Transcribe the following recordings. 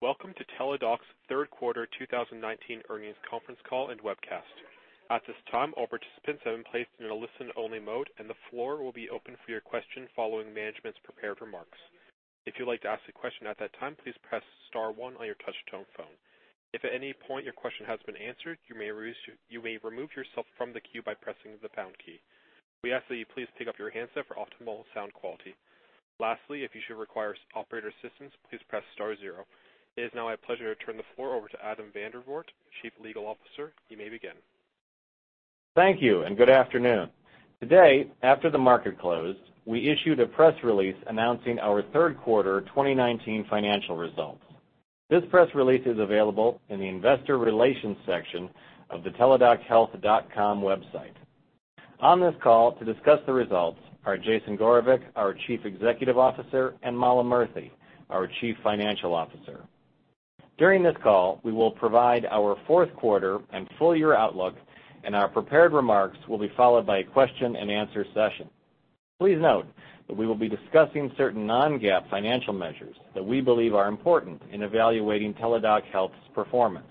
Welcome to Teladoc's third quarter 2019 earnings conference call and webcast. At this time, all participants have been placed in a listen-only mode, and the floor will be open for your questions following management's prepared remarks. If you'd like to ask a question at that time, please press star one on your touch-tone phone. If at any point your question has been answered, you may remove yourself from the queue by pressing the pound key. We ask that you please pick up your handset for optimal sound quality. Lastly, if you should require operator assistance, please press star zero. It is now my pleasure to turn the floor over to Adam Vandervoort, Chief Legal Officer. You may begin. Thank you, and good afternoon. Today, after the market closed, we issued a press release announcing our third quarter 2019 financial results. This press release is available in the investor relations section of the teladochealth.com website. On this call to discuss the results are Jason Gorevic, our Chief Executive Officer, and Mala Murthy, our Chief Financial Officer. During this call, we will provide our fourth quarter and full year outlook, and our prepared remarks will be followed by a question and answer session. Please note that we will be discussing certain non-GAAP financial measures that we believe are important in evaluating Teladoc Health's performance.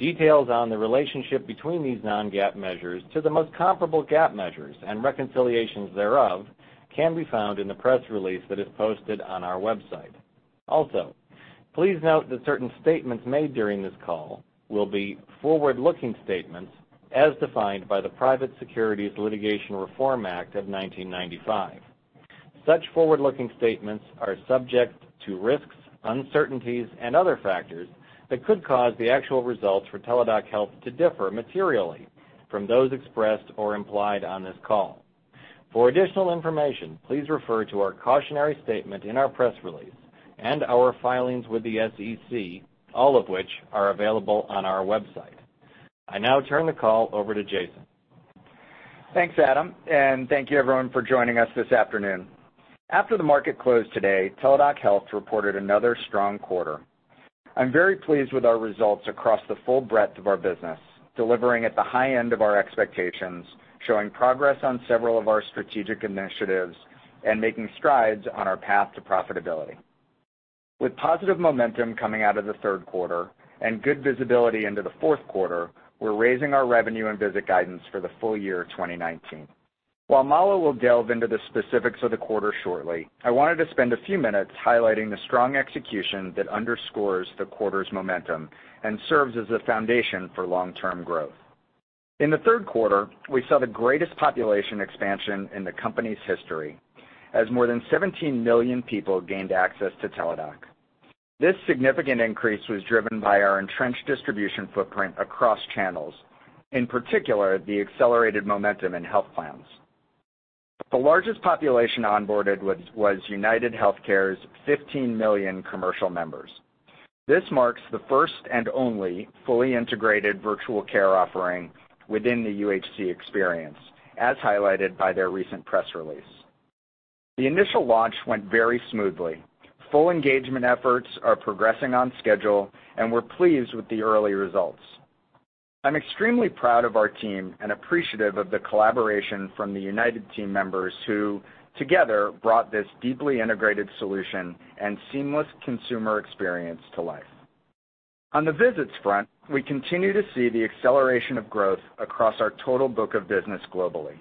Details on the relationship between these non-GAAP measures to the most comparable GAAP measures and reconciliations thereof can be found in the press release that is posted on our website. Also, please note that certain statements made during this call will be forward-looking statements as defined by the Private Securities Litigation Reform Act of 1995. Such forward-looking statements are subject to risks, uncertainties, and other factors that could cause the actual results for Teladoc Health to differ materially from those expressed or implied on this call. For additional information, please refer to our cautionary statement in our press release and our filings with the SEC, all of which are available on our website. I now turn the call over to Jason. Thanks, Adam. Thank you everyone for joining us this afternoon. After the market closed today, Teladoc Health reported another strong quarter. I'm very pleased with our results across the full breadth of our business, delivering at the high end of our expectations, showing progress on several of our strategic initiatives, and making strides on our path to profitability. With positive momentum coming out of the third quarter and good visibility into the fourth quarter, we're raising our revenue and visit guidance for the full year of 2019. While Mala will delve into the specifics of the quarter shortly, I wanted to spend a few minutes highlighting the strong execution that underscores the quarter's momentum and serves as a foundation for long-term growth. In the third quarter, we saw the greatest population expansion in the company's history, as more than 17 million people gained access to Teladoc. This significant increase was driven by our entrenched distribution footprint across channels, in particular, the accelerated momentum in health plans. The largest population onboarded was UnitedHealthcare's 15 million commercial members. This marks the first and only fully integrated virtual care offering within the UHC experience, as highlighted by their recent press release. The initial launch went very smoothly. Full engagement efforts are progressing on schedule, and we're pleased with the early results. I'm extremely proud of our team and appreciative of the collaboration from the United team members who together brought this deeply integrated solution and seamless consumer experience to life. On the visits front, we continue to see the acceleration of growth across our total book of business globally,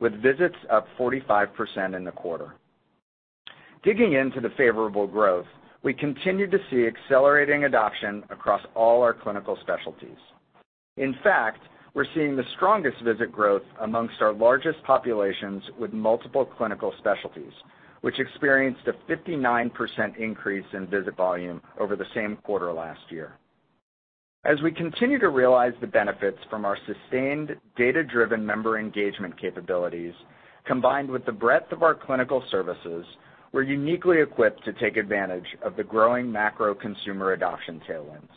with visits up 45% in the quarter. Digging into the favorable growth, we continue to see accelerating adoption across all our clinical specialties. In fact, we're seeing the strongest visit growth amongst our largest populations with multiple clinical specialties, which experienced a 59% increase in visit volume over the same quarter last year. As we continue to realize the benefits from our sustained data-driven member engagement capabilities, combined with the breadth of our clinical services, we're uniquely equipped to take advantage of the growing macro consumer adoption tailwinds.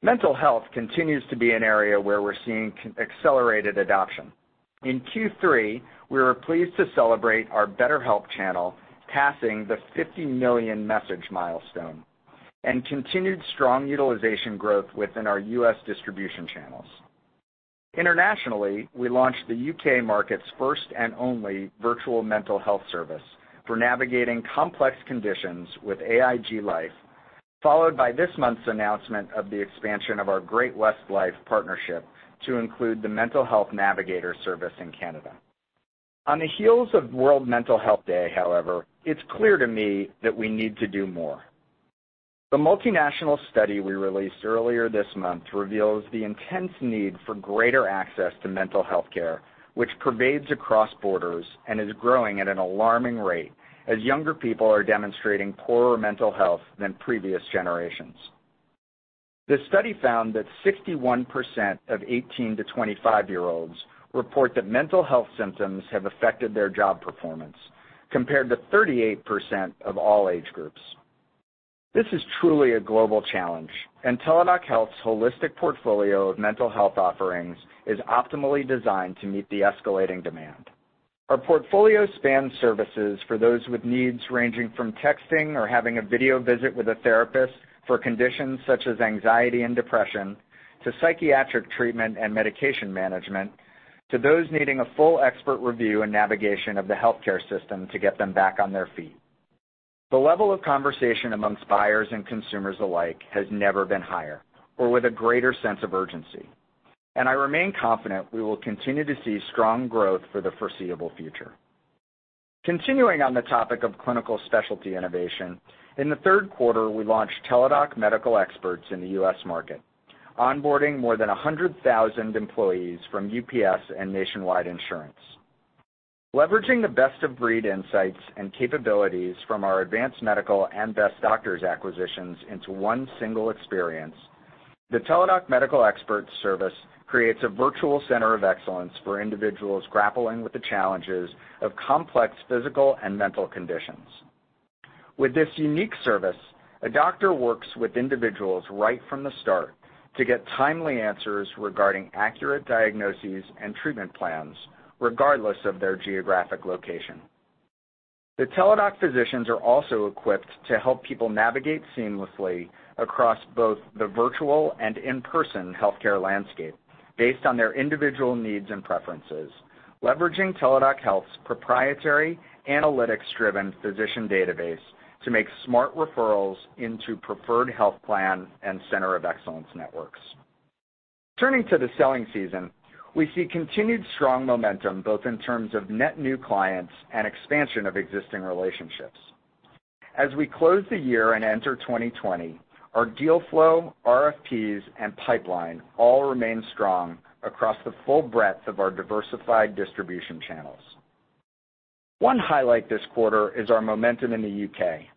Mental health continues to be an area where we're seeing accelerated adoption. In Q3, we were pleased to celebrate our BetterHelp channel passing the 50 million message milestone and continued strong utilization growth within our U.S. distribution channels. Internationally, we launched the U.K. market's first and only virtual mental health service for navigating complex conditions with AIG Life, followed by this month's announcement of the expansion of our Great-West Life partnership to include the Mental Health Navigator service in Canada. On the heels of World Mental Health Day, however, it's clear to me that we need to do more. The multinational study we released earlier this month reveals the intense need for greater access to mental health care, which pervades across borders and is growing at an alarming rate as younger people are demonstrating poorer mental health than previous generations. The study found that 61% of 18 to 25-year-olds report that mental health symptoms have affected their job performance, compared to 38% of all age groups. This is truly a global challenge, and Teladoc Health's holistic portfolio of mental health offerings is optimally designed to meet the escalating demand. Our portfolio spans services for those with needs ranging from texting or having a video visit with a therapist for conditions such as anxiety and depression to psychiatric treatment and medication management, to those needing a full expert review and navigation of the healthcare system to get them back on their feet. The level of conversation amongst buyers and consumers alike has never been higher or with a greater sense of urgency. I remain confident we will continue to see strong growth for the foreseeable future. Continuing on the topic of clinical specialty innovation, in the third quarter, we launched Teladoc Medical Experts in the U.S. market, onboarding more than 100,000 employees from UPS and Nationwide Insurance. Leveraging the best-of-breed insights and capabilities from our Advance Medical and Best Doctors acquisitions into one single experience, the Teladoc Medical Experts service creates a virtual center of excellence for individuals grappling with the challenges of complex physical and mental conditions. With this unique service, a doctor works with individuals right from the start to get timely answers regarding accurate diagnoses and treatment plans, regardless of their geographic location. The Teladoc physicians are also equipped to help people navigate seamlessly across both the virtual and in-person healthcare landscape based on their individual needs and preferences, leveraging Teladoc Health's proprietary analytics-driven physician database to make smart referrals into preferred health plan and center of excellence networks. Turning to the selling season, we see continued strong momentum both in terms of net new clients and expansion of existing relationships. As we close the year and enter 2020, our deal flow, RFPs, and pipeline all remain strong across the full breadth of our diversified distribution channels. One highlight this quarter is our momentum in the U.K.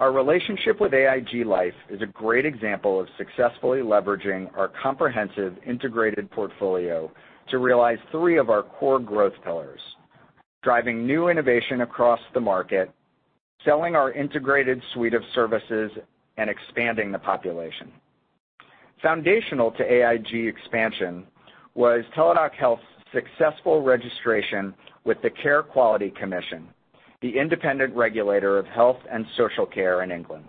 Our relationship with AIG Life is a great example of successfully leveraging our comprehensive integrated portfolio to realize three of our core growth pillars: driving new innovation across the market, selling our integrated suite of services, and expanding the population. Foundational to AIG expansion was Teladoc Health's successful registration with the Care Quality Commission, the independent regulator of health and social care in England.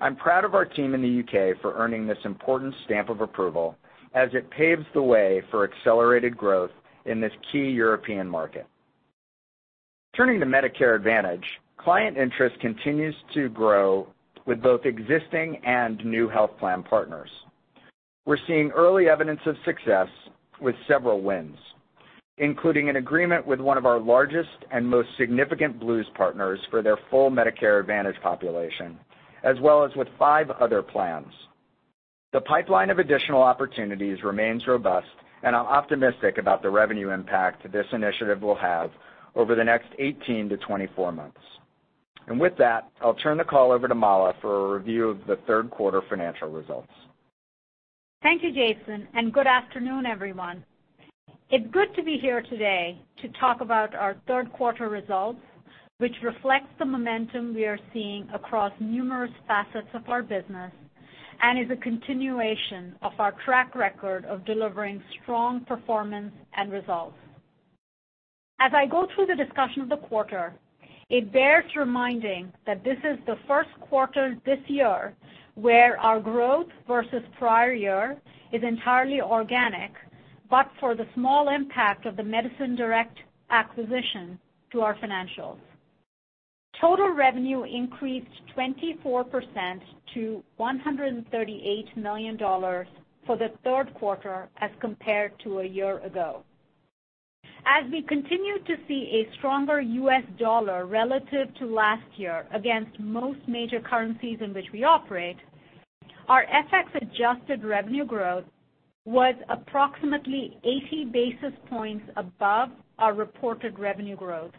I'm proud of our team in the U.K. for earning this important stamp of approval as it paves the way for accelerated growth in this key European market. Turning to Medicare Advantage, client interest continues to grow with both existing and new health plan partners. We're seeing early evidence of success with several wins, including an agreement with one of our largest and most significant Blues partners for their full Medicare Advantage population, as well as with 5 other plans. The pipeline of additional opportunities remains robust, I'm optimistic about the revenue impact this initiative will have over the next 18 months-24 months. With that, I'll turn the call over to Mala for a review of the third quarter financial results. Thank you, Jason. Good afternoon, everyone. It's good to be here today to talk about our third quarter results, which reflects the momentum we are seeing across numerous facets of our business and is a continuation of our track record of delivering strong performance and results. As I go through the discussion of the quarter, it bears reminding that this is the first quarter this year where our growth versus prior year is entirely organic, but for the small impact of the MédecinDirect acquisition to our financials. Total revenue increased 24% to $138 million for the third quarter as compared to a year ago. As we continue to see a stronger U.S. dollar relative to last year against most major currencies in which we operate, our FX-adjusted revenue growth was approximately 80 basis points above our reported revenue growth.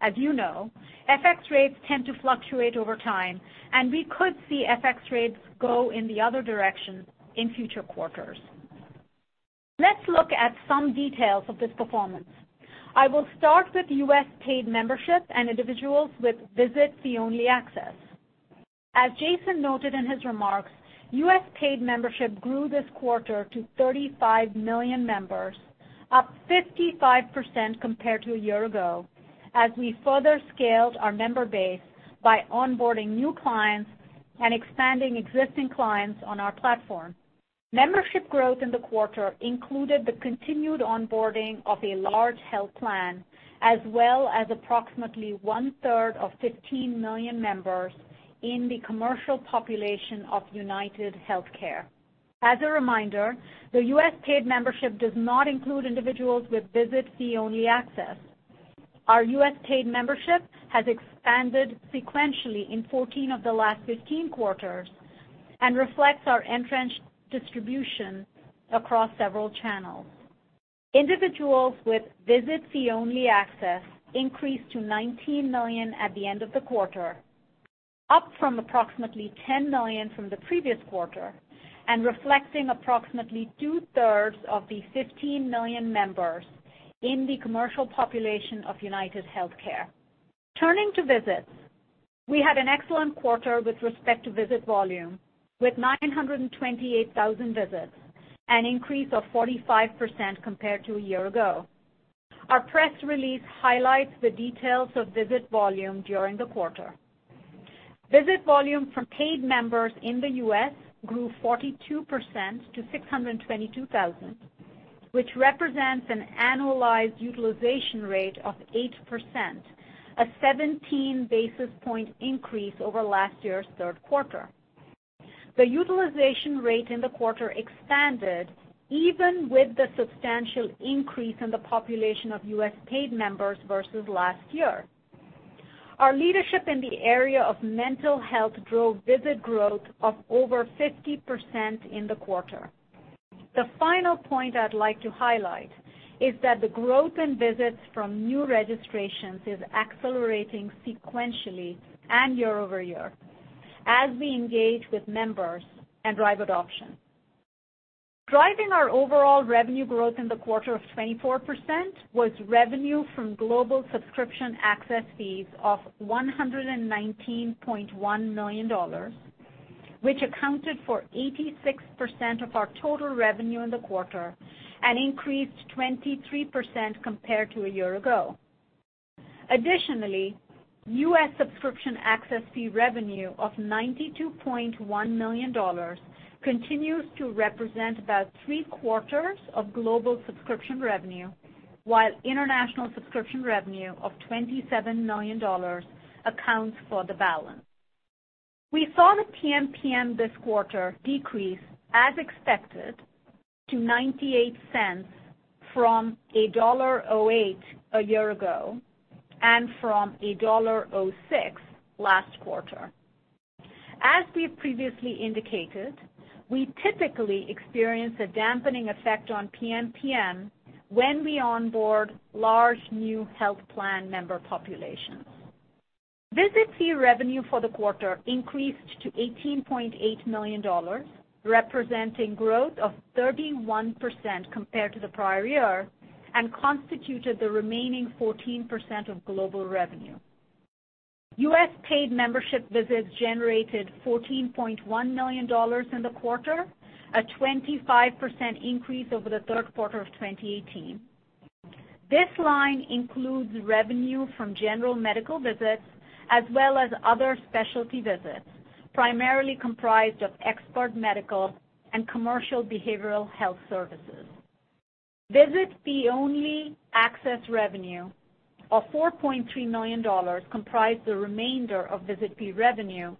As you know, FX rates tend to fluctuate over time, and we could see FX rates go in the other direction in future quarters. Let's look at some details of this performance. I will start with U.S. paid membership and individuals with visit-fee-only access. As Jason noted in his remarks, U.S. paid membership grew this quarter to 35 million members, up 55% compared to a year ago as we further scaled our member base by onboarding new clients and expanding existing clients on our platform. Membership growth in the quarter included the continued onboarding of a large health plan, as well as approximately one-third of 15 million members in the commercial population of UnitedHealthcare. As a reminder, the U.S. paid membership does not include individuals with visit-fee-only access. Our U.S. paid membership has expanded sequentially in 14 of the last 15 quarters and reflects our entrenched distribution across several channels. Individuals with visit-fee-only access increased to 19 million at the end of the quarter, up from approximately 10 million from the previous quarter and reflecting approximately two-thirds of the 15 million members in the commercial population of UnitedHealthcare. Turning to visits, we had an excellent quarter with respect to visit volume with 928,000 visits, an increase of 45% compared to a year ago. Our press release highlights the details of visit volume during the quarter. Visit volume from paid members in the U.S. grew 42% to 622,000, which represents an annualized utilization rate of 8%, a 17 basis point increase over last year's third quarter. The utilization rate in the quarter expanded even with the substantial increase in the population of U.S. paid members versus last year. Our leadership in the area of mental health drove visit growth of over 50% in the quarter. The final point I'd like to highlight is that the growth in visits from new registrations is accelerating sequentially and year-over-year as we engage with members and drive adoption. Driving our overall revenue growth in the quarter of 24% was revenue from global subscription access fees of $119.1 million, which accounted for 86% of our total revenue in the quarter and increased 23% compared to a year ago. Additionally, U.S. subscription access fee revenue of $92.1 million continues to represent about three quarters of global subscription revenue, while international subscription revenue of $27 million accounts for the balance. We saw the PMPM this quarter decrease, as expected, to $0.98 from $1.08 a year ago, and from $1.06 last quarter. As we've previously indicated, we typically experience a dampening effect on PMPM when we onboard large new health plan member populations. Visit fee revenue for the quarter increased to $18.8 million, representing growth of 31% compared to the prior year, and constituted the remaining 14% of global revenue. U.S. paid membership visits generated $14.1 million in the quarter, a 25% increase over the third quarter of 2018. This line includes revenue from general medical visits as well as other specialty visits, primarily comprised of expert medical and commercial behavioral health services. Visit fee-only access revenue of $4.3 million comprised the remainder of visit fee revenue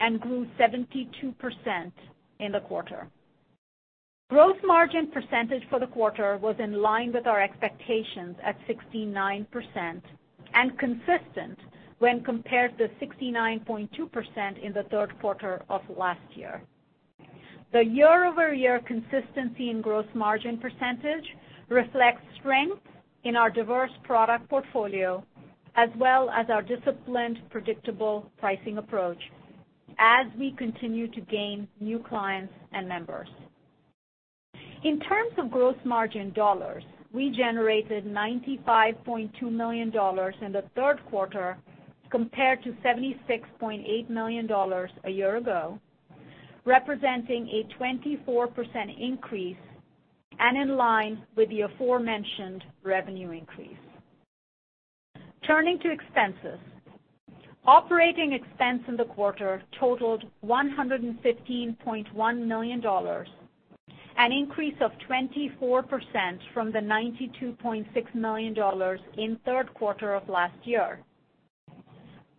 and grew 72% in the quarter. Gross margin percentage for the quarter was in line with our expectations at 69% and consistent when compared to 69.2% in the third quarter of last year. The year-over-year consistency in gross margin percentage reflects strength in our diverse product portfolio as well as our disciplined, predictable pricing approach as we continue to gain new clients and members. In terms of gross margin dollars, we generated $95.2 million in the third quarter compared to $76.8 million a year ago, representing a 24% increase, and in line with the aforementioned revenue increase. Turning to expenses. Operating expense in the quarter totaled $115.1 million, an increase of 24% from the $92.6 million in third quarter of last year.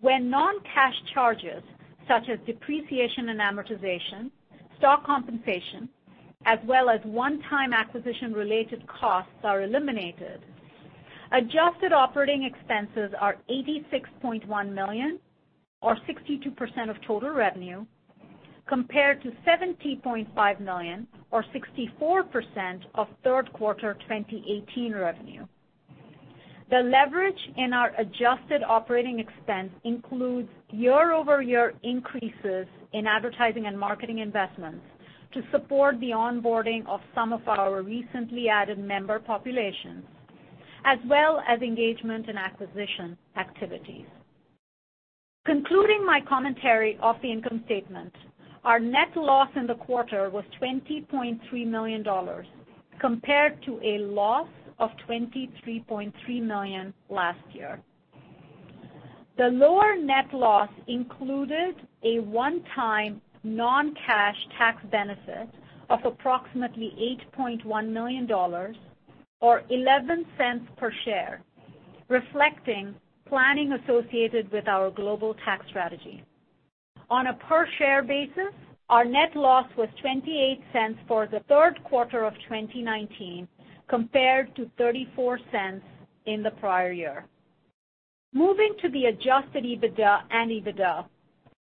When non-cash charges such as depreciation and amortization, stock compensation, as well as one-time acquisition related costs are eliminated, adjusted operating expenses are $86.1 million or 62% of total revenue, compared to $70.5 million or 64% of third quarter 2018 revenue. The leverage in our adjusted operating expense includes year-over-year increases in advertising and marketing investments to support the onboarding of some of our recently added member populations, as well as engagement and acquisition activities. Concluding my commentary of the income statement, our net loss in the quarter was $20.3 million, compared to a loss of $23.3 million last year. The lower net loss included a one-time non-cash tax benefit of approximately $8.1 million, or $0.11 per share, reflecting planning associated with our global tax strategy. On a per-share basis, our net loss was $0.28 for the third quarter of 2019, compared to $0.34 in the prior year. Moving to the adjusted EBITDA and EBITDA.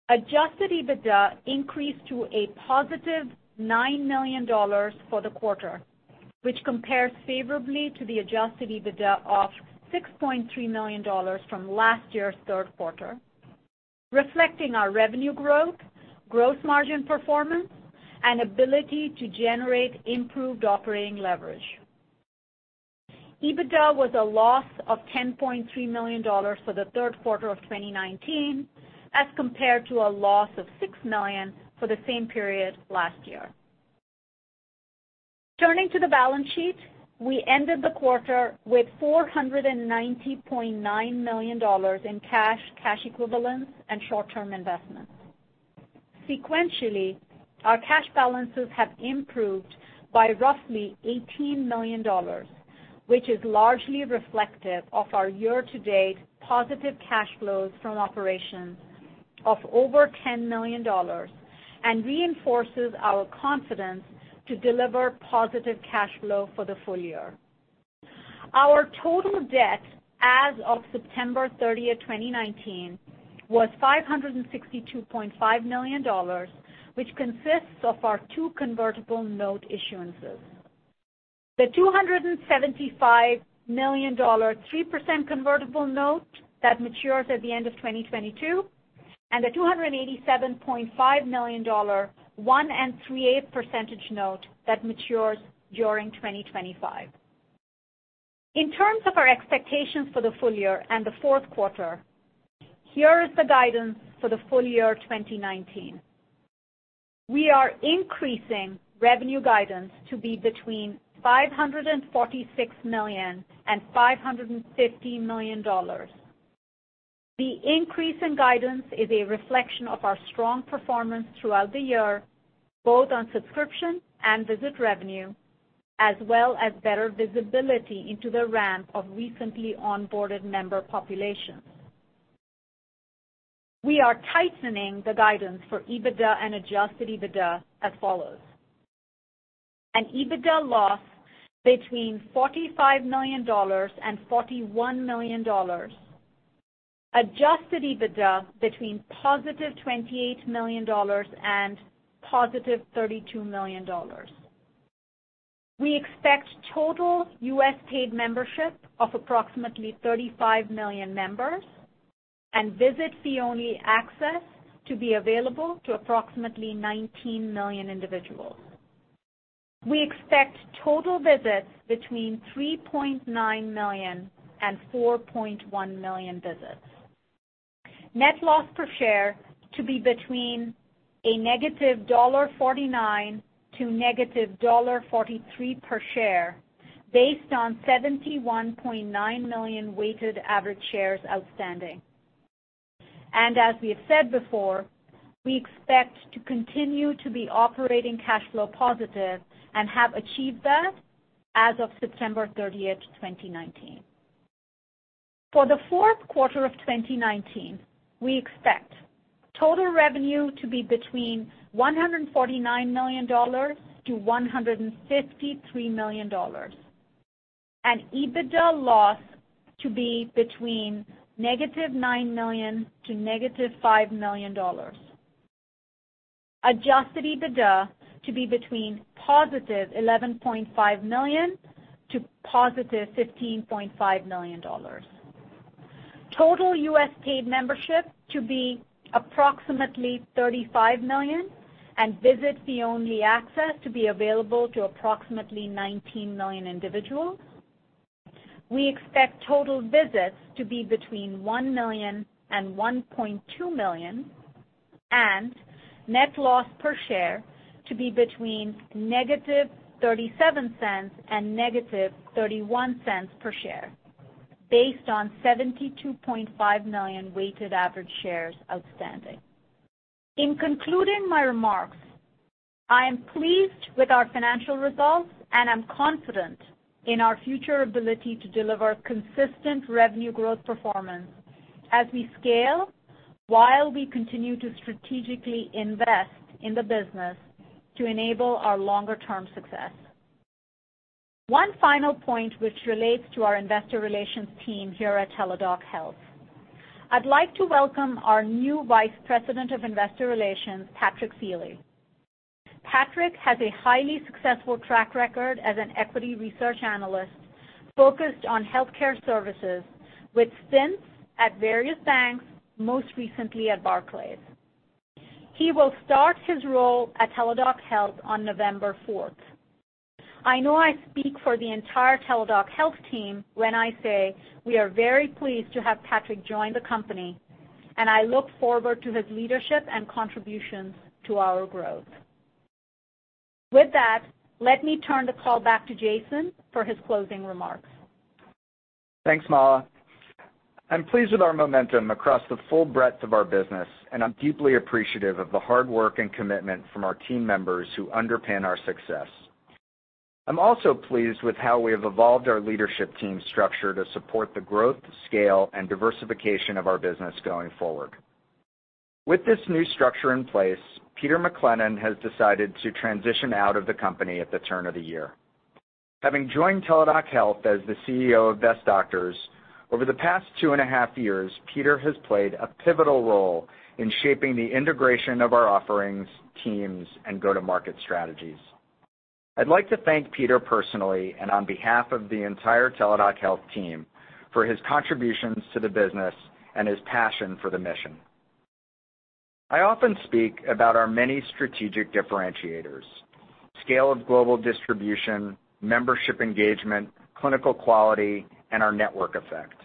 Adjusted EBITDA increased to a positive $9 million for the quarter, which compares favorably to the adjusted EBITDA of $6.3 million from last year's third quarter, reflecting our revenue growth, gross margin performance, and ability to generate improved operating leverage. EBITDA was a loss of $10.3 million for the third quarter of 2019 as compared to a loss of $6 million for the same period last year. Turning to the balance sheet, we ended the quarter with $490.9 million in cash equivalents, and short-term investments. Sequentially, our cash balances have improved by roughly $18 million, which is largely reflective of our year-to-date positive cash flows from operations of over $10 million and reinforces our confidence to deliver positive cash flow for the full year. Our total debt as of September 30th, 2019, was $562.5 million, which consists of our two convertible note issuances. The $275 million 3% convertible note that matures at the end of 2022, and the $287.5 million 1 3/8% note that matures during 2025. In terms of our expectations for the full year and the fourth quarter, here is the guidance for the full year 2019. We are increasing revenue guidance to be between $546 million and $550 million. The increase in guidance is a reflection of our strong performance throughout the year, both on subscription and visit revenue, as well as better visibility into the ramp of recently onboarded member populations. We are tightening the guidance for EBITDA and adjusted EBITDA as follows. An EBITDA loss between $45 million and $41 million. Adjusted EBITDA between positive $28 million and positive $32 million. We expect total U.S. paid membership of approximately 35 million members, and visit fee-only access to be available to approximately 19 million individuals. We expect total visits between 3.9 million and 4.1 million visits. Net loss per share to be between -$1.49 to -$1.43 per share based on 71.9 million weighted average shares outstanding. As we have said before, we expect to continue to be operating cash flow positive and have achieved that as of September 30th, 2019. For the fourth quarter of 2019, we expect total revenue to be between $149 million-$153 million. An EBITDA loss to be between -$9 million to -$5 million. Adjusted EBITDA to be between +$11.5 million to +$15.5 million. Total U.S. paid membership to be approximately 35 million, and visit fee-only access to be available to approximately 19 million individuals. We expect total visits to be between 1 million and 1.2 million. Net loss per share to be between -$0.37 and -$0.31 per share based on $72.5 million weighted average shares outstanding. In concluding my remarks, I am pleased with our financial results and am confident in our future ability to deliver consistent revenue growth performance as we scale, while we continue to strategically invest in the business to enable our longer-term success. One final point which relates to our investor relations team here at Teladoc Health. I'd like to welcome our new Vice President of Investor Relations, Patrick Seeley. Patrick has a highly successful track record as an equity research analyst focused on healthcare services with stints at various banks, most recently at Barclays. He will start his role at Teladoc Health on November 4th. I know I speak for the entire Teladoc Health team when I say we are very pleased to have Patrick join the company, and I look forward to his leadership and contributions to our growth. With that, let me turn the call back to Jason for his closing remarks. Thanks, Mala. I'm pleased with our momentum across the full breadth of our business, and I'm deeply appreciative of the hard work and commitment from our team members who underpin our success. I'm also pleased with how we have evolved our leadership team structure to support the growth, scale, and diversification of our business going forward. With this new structure in place, Peter MacLennan has decided to transition out of the company at the turn of the year. Having joined Teladoc Health as the CEO of Best Doctors, over the past two and a half years Peter has played a pivotal role in shaping the integration of our offerings, teams, and go-to-market strategies. I'd like to thank Peter personally and on behalf of the entire Teladoc Health team for his contributions to the business and his passion for the mission. I often speak about our many strategic differentiators, scale of global distribution, membership engagement, clinical quality, and our network effect.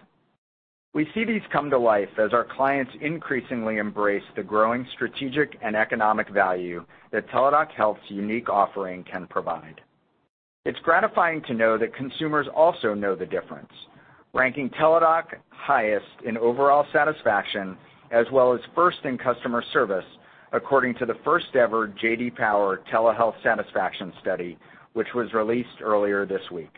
We see these come to life as our clients increasingly embrace the growing strategic and economic value that Teladoc Health's unique offering can provide. It's gratifying to know that consumers also know the difference, ranking Teladoc highest in overall satisfaction as well as first in customer service, according to the first-ever J.D. Power Telehealth Satisfaction Study, which was released earlier this week.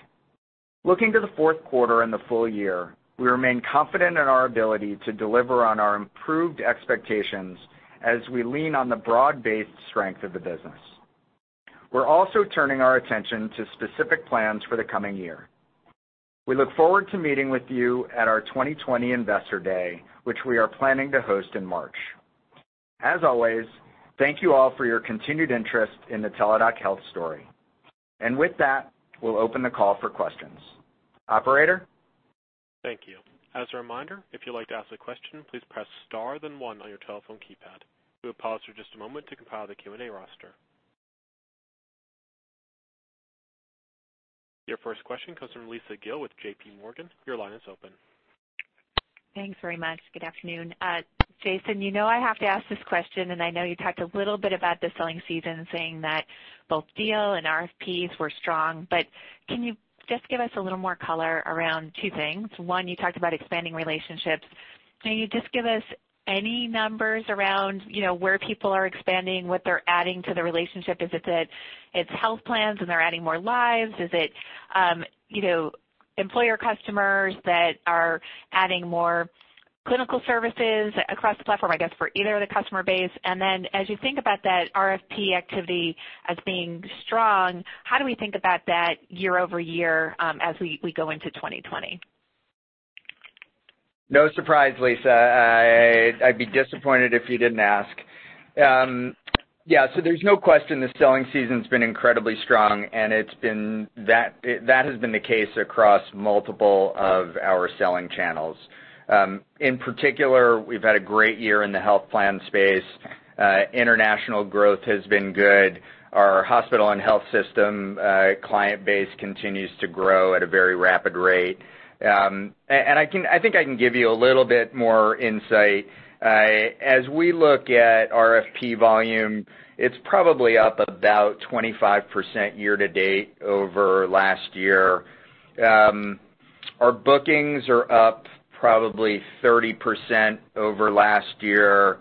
Looking to the fourth quarter and the full year, we remain confident in our ability to deliver on our improved expectations as we lean on the broad-based strength of the business. We're also turning our attention to specific plans for the coming year. We look forward to meeting with you at our 2020 Investor Day, which we are planning to host in March. As always, thank you all for your continued interest in the Teladoc Health story. With that, we'll open the call for questions. Operator? Thank you. As a reminder, if you'd like to ask a question, please press star then one on your telephone keypad. We'll pause for just a moment to compile the Q&A roster. Your first question comes from Lisa Gill with JPMorgan. Your line is open. Thanks very much. Good afternoon. Jason, you know I have to ask this question. I know you talked a little bit about the selling season, saying that both deal and RFPs were strong. Can you just give us a little more color around two things? One, you talked about expanding relationships. Can you just give us any numbers around where people are expanding, what they're adding to the relationship? Is it that it's health plans and they're adding more lives? Is it employer customers that are adding more clinical services across the platform, I guess, for either of the customer base? As you think about that RFP activity as being strong, how do we think about that year-over-year as we go into 2020? No surprise, Lisa. I'd be disappointed if you didn't ask. Yeah. There's no question the selling season's been incredibly strong, and that has been the case across multiple of our selling channels. In particular, we've had a great year in the health plan space. International growth has been good. Our hospital and health system client base continues to grow at a very rapid rate. I think I can give you a little bit more insight. As we look at RFP volume, it's probably up about 25% year-to-date over last year. Our bookings are up probably 30% over last year.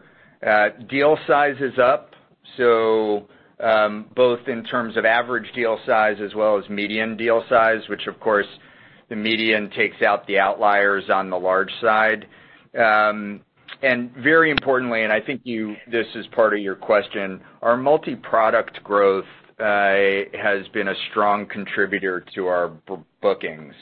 Deal size is up, both in terms of average deal size as well as median deal size, which of course, the median takes out the outliers on the large side. Very importantly, and I think this is part of your question, our multi-product growth has been a strong contributor to our bookings.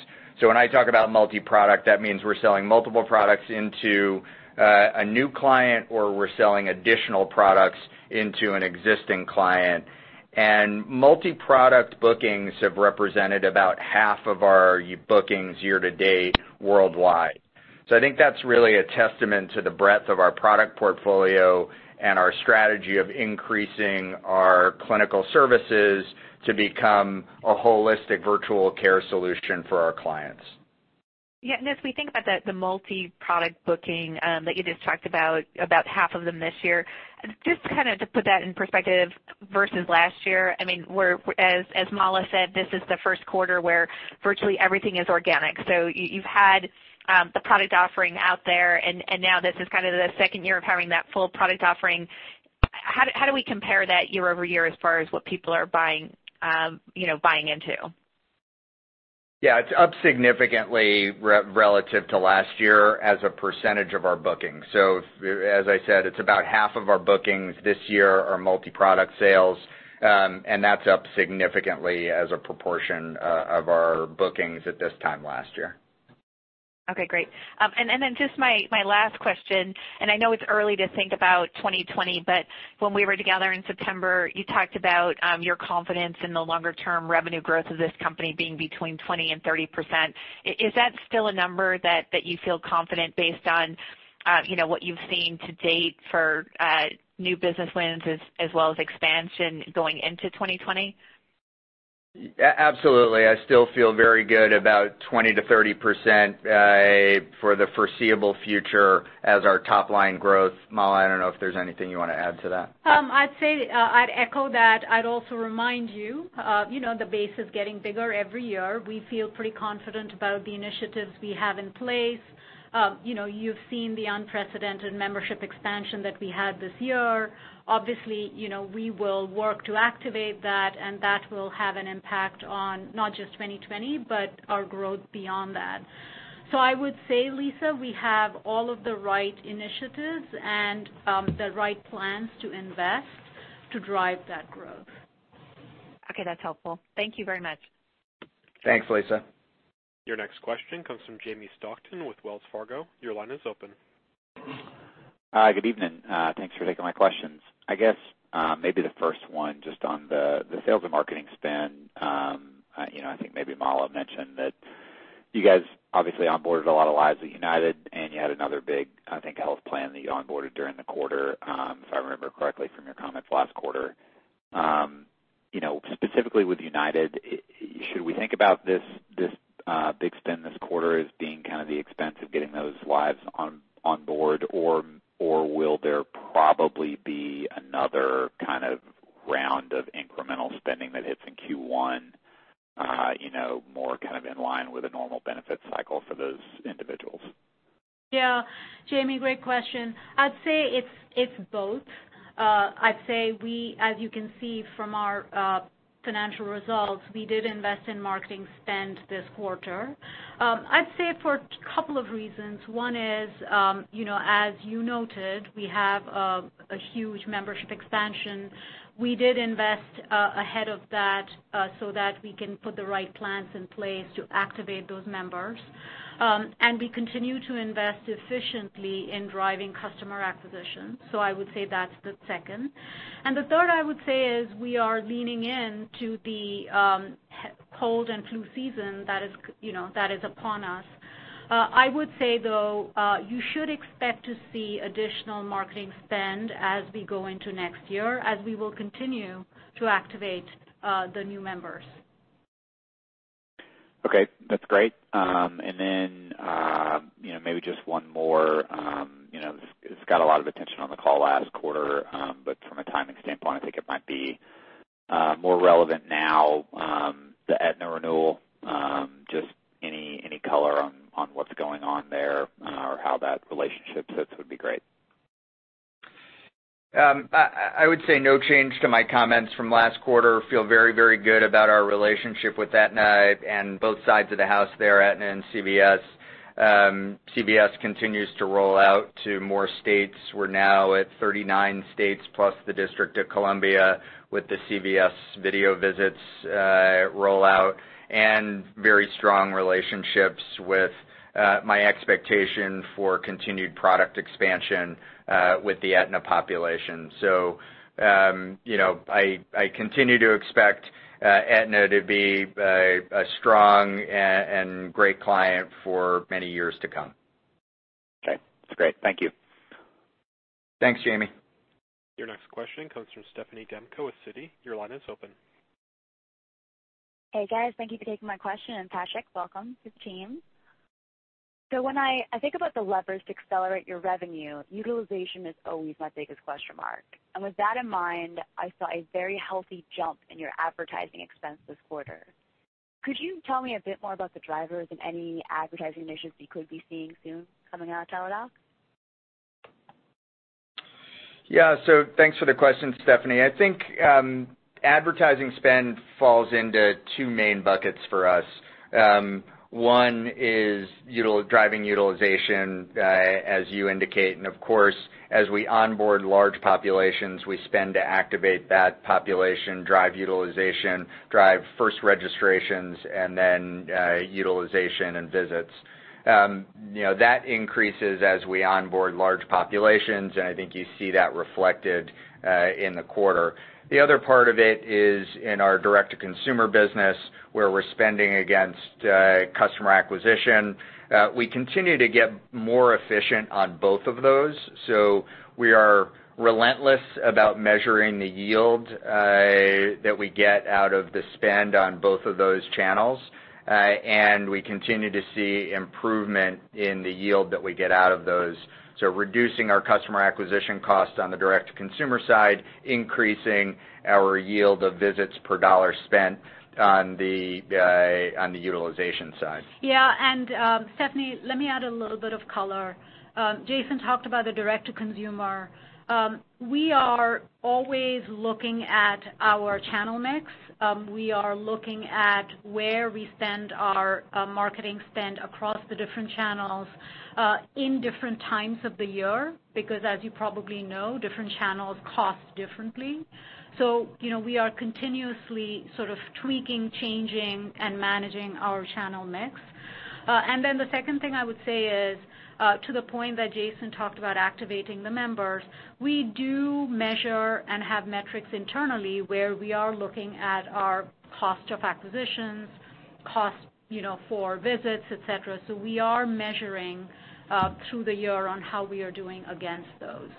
When I talk about multi-product, that means we're selling multiple products into a new client, or we're selling additional products into an existing client. Multi-product bookings have represented about half of our bookings year to date worldwide. I think that's really a testament to the breadth of our product portfolio and our strategy of increasing our clinical services to become a holistic virtual care solution for our clients. Yeah. As we think about the multi-product booking that you just talked about half of them this year. Just to put that in perspective versus last year, as Mala said, this is the first quarter where virtually everything is organic. You've had the product offering out there, and now this is the second year of having that full product offering. How do we compare that year-over-year as far as what people are buying into? Yeah. It's up significantly relative to last year as a % of our bookings. As I said, it's about half of our bookings this year are multi-product sales. That's up significantly as a proportion of our bookings at this time last year. Okay, great. Just my last question, and I know it's early to think about 2020, but when we were together in September, you talked about your confidence in the longer-term revenue growth of this company being between 20% and 30%. Is that still a number that you feel confident based on what you've seen to date for new business wins as well as expansion going into 2020? Absolutely. I still feel very good about 20%-30% for the foreseeable future as our top-line growth. Mala, I don't know if there's anything you want to add to that. I'd say I'd echo that. I'd also remind you, the base is getting bigger every year. We feel pretty confident about the initiatives we have in place. You've seen the unprecedented membership expansion that we had this year. Obviously, we will work to activate that, and that will have an impact on not just 2020, but our growth beyond that. I would say, Lisa, we have all of the right initiatives and the right plans to invest to drive that growth. Okay, that's helpful. Thank you very much. Thanks, Lisa. Your next question comes from Jamie Stockton with Wells Fargo. Your line is open. Hi, good evening. Thanks for taking my questions. I guess maybe the first one just on the sales and marketing spend. I think maybe Mala mentioned that you guys obviously onboarded a lot of lives at United, and you had another big, I think, health plan that you onboarded during the quarter, if I remember correctly from your comments last quarter. Specifically with United, should we think about this big spend this quarter as being kind of the expense of getting those lives on board? Or will there probably be another kind of round of incremental spending that hits in Q1, more kind of in line with a normal benefit cycle for those individuals? Jamie, great question. I'd say it's both. I'd say we, as you can see from our financial results, we did invest in marketing spend this quarter. I'd say for a couple of reasons. One is, as you noted, we have a huge membership expansion. We did invest ahead of that so that we can put the right plans in place to activate those members. We continue to invest efficiently in driving customer acquisition. I would say that's the second. The third, I would say, is we are leaning into the cold and flu season that is upon us. I would say, though, you should expect to see additional marketing spend as we go into next year, as we will continue to activate the new members. Okay, that's great. Maybe just one more. This got a lot of attention on the call last quarter, from a timing standpoint, I think it might be more relevant now, the Aetna renewal. Just any color on what's going on there or how that relationship sits would be great. I would say no change to my comments from last quarter. Feel very, very good about our relationship with Aetna and both sides of the house there, Aetna and CVS. CVS continues to roll out to more states. We're now at 39 states plus the District of Columbia with the CVS video visits rollout, and very strong relationships with my expectation for continued product expansion with the Aetna population. I continue to expect Aetna to be a strong and great client for many years to come. Okay. That's great. Thank you. Thanks, Jamie. Your next question comes from Stephanie Demko with Citi. Your line is open. Hey, guys. Thank you for taking my question, and Patrick, welcome to the team. When I think about the levers to accelerate your revenue, utilization is always my biggest question mark. With that in mind, I saw a very healthy jump in your advertising expense this quarter. Could you tell me a bit more about the drivers and any advertising initiatives we could be seeing soon coming out of Teladoc? Thanks for the question, Stephanie. I think advertising spend falls into two main buckets for us. One is driving utilization, as you indicate. Of course, as we onboard large populations, we spend to activate that population, drive utilization, drive first registrations, and then utilization and visits. That increases as we onboard large populations, and I think you see that reflected in the quarter. The other part of it is in our direct-to-consumer business, where we're spending against customer acquisition. We continue to get more efficient on both of those. We are relentless about measuring the yield that we get out of the spend on both of those channels. We continue to see improvement in the yield that we get out of those. Reducing our customer acquisition cost on the direct-to-consumer side, increasing our yield of visits per dollar spent on the utilization side. Yeah. Stephanie, let me add a little bit of color. Jason talked about the direct to consumer. We are always looking at our channel mix. We are looking at where we spend our marketing spend across the different channels, in different times of the year, because as you probably know, different channels cost differently. We are continuously sort of tweaking, changing, and managing our channel mix. The second thing I would say is, to the point that Jason talked about activating the members, we do measure and have metrics internally where we are looking at our cost of acquisitions, cost for visits, et cetera. We are measuring through the year on how we are doing against those.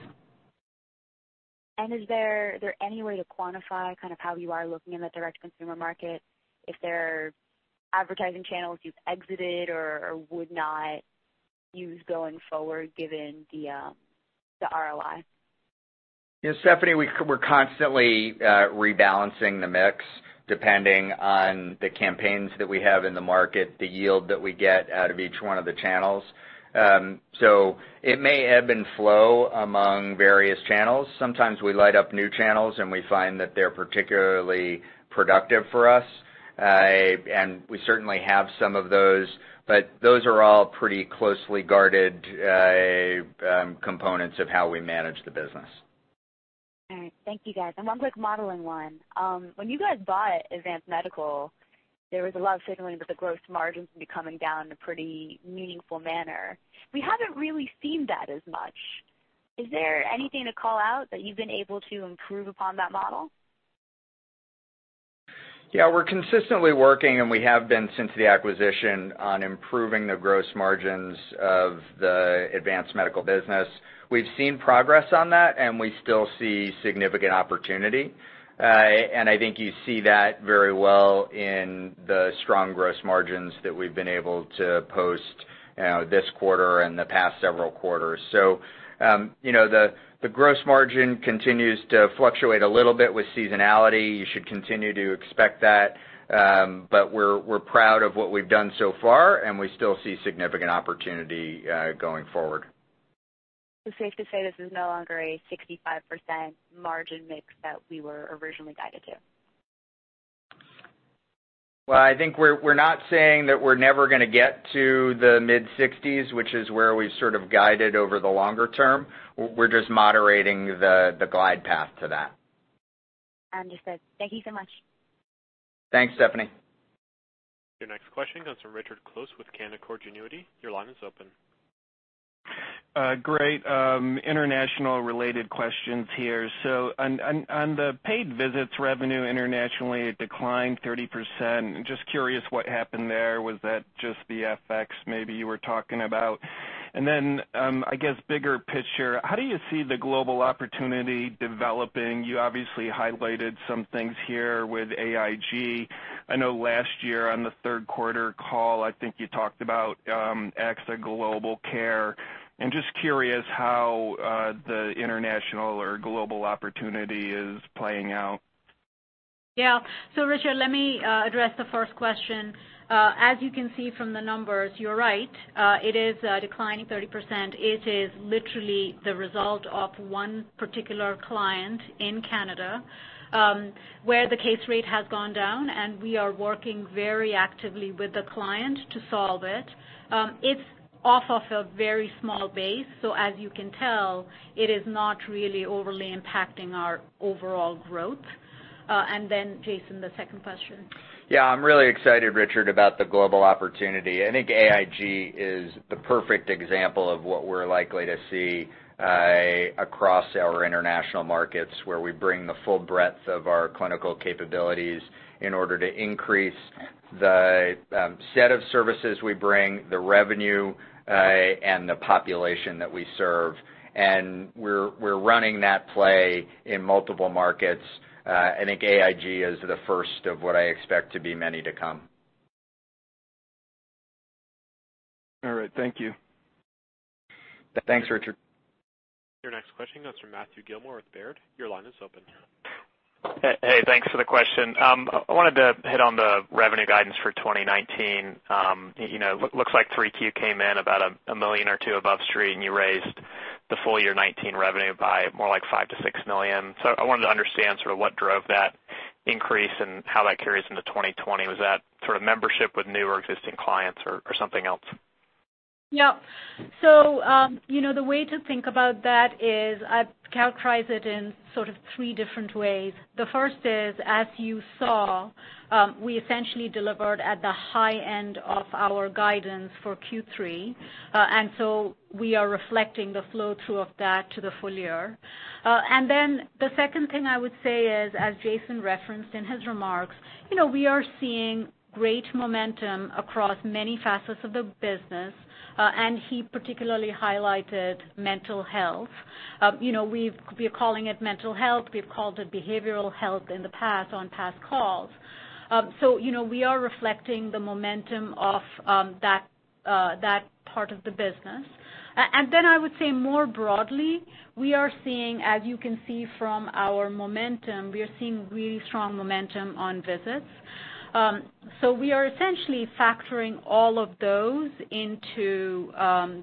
Is there any way to quantify kind of how you are looking in the direct consumer market, if there are advertising channels you've exited or would not use going forward given the ROI? Stephanie, we're constantly rebalancing the mix depending on the campaigns that we have in the market, the yield that we get out of each one of the channels. It may ebb and flow among various channels. Sometimes we light up new channels, and we find that they're particularly productive for us. We certainly have some of those, but those are all pretty closely guarded components of how we manage the business. All right. Thank you, guys. One quick modeling one. When you guys bought Advance Medical, there was a lot of signaling that the gross margins would be coming down in a pretty meaningful manner. We haven't really seen that as much. Is there anything to call out that you've been able to improve upon that model? Yeah, we're consistently working, and we have been since the acquisition, on improving the gross margins of the Advance Medical business. We've seen progress on that, and we still see significant opportunity. I think you see that very well in the strong gross margins that we've been able to post this quarter and the past several quarters. The gross margin continues to fluctuate a little bit with seasonality. You should continue to expect that. We're proud of what we've done so far, and we still see significant opportunity going forward. It's safe to say this is no longer a 65% margin mix that we were originally guided to. Well, I think we're not saying that we're never going to get to the mid-60s, which is where we've sort of guided over the longer term. We're just moderating the glide path to that. Understood. Thank you so much. Thanks, Stephanie. Your next question comes from Richard Close with Canaccord Genuity. Your line is open. Great. International-related questions here. On the paid visits revenue internationally, it declined 30%. Just curious what happened there. Was that just the FX maybe you were talking about? I guess bigger picture, how do you see the global opportunity developing? You obviously highlighted some things here with AIG. I know last year on the third quarter call, I think you talked about exit global care. I'm just curious how the international or global opportunity is playing out. Yeah. Richard, let me address the first question. As you can see from the numbers, you're right, it is declining 30%. It is literally the result of one particular client in Canada, where the case rate has gone down, and we are working very actively with the client to solve it. It's off of a very small base, as you can tell, it is not really overly impacting our overall growth. Jason, the second question. Yeah, I'm really excited, Richard, about the global opportunity. I think AIG is the perfect example of what we're likely to see across our international markets, where we bring the full breadth of our clinical capabilities in order to increase the set of services we bring, the revenue, and the population that we serve. We're running that play in multiple markets. I think AIG is the first of what I expect to be many to come. All right. Thank you. Thanks, Richard. Your next question comes from Matthew Gilmore with Baird. Your line is open. Hey, thanks for the question. I wanted to hit on the revenue guidance for 2019. Looks like 3Q came in about $1 million or $2 million above Street, and you raised the full year 2019 revenue by more like $5 million-$6 million. I wanted to understand sort of what drove that increase and how that carries into 2020. Was that sort of membership with new or existing clients or something else? The way to think about that is I'd characterize it in sort of three different ways. The first is, as you saw, we essentially delivered at the high end of our guidance for Q3. We are reflecting the flow-through of that to the full year. The second thing I would say is, as Jason referenced in his remarks, we are seeing great momentum across many facets of the business. He particularly highlighted mental health. We're calling it mental health. We've called it behavioral health in the past on past calls. We are reflecting the momentum of that part of the business. I would say more broadly, as you can see from our momentum, we are seeing really strong momentum on visits. We are essentially factoring all of those into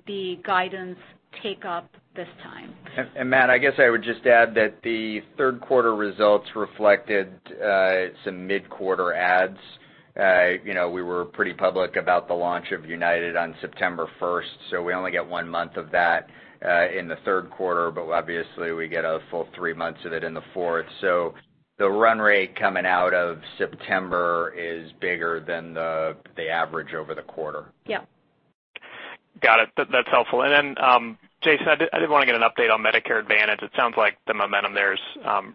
the guidance take-up this time. Matt, I guess I would just add that the third quarter results reflected some mid-quarter adds. We were pretty public about the launch of United on September 1st. We only get one month of that, in the third quarter, but obviously, we get a full three months of it in the fourth. The run rate coming out of September is bigger than the average over the quarter. Yeah. Got it. That's helpful. Jason, I did want to get an update on Medicare Advantage. It sounds like the momentum there is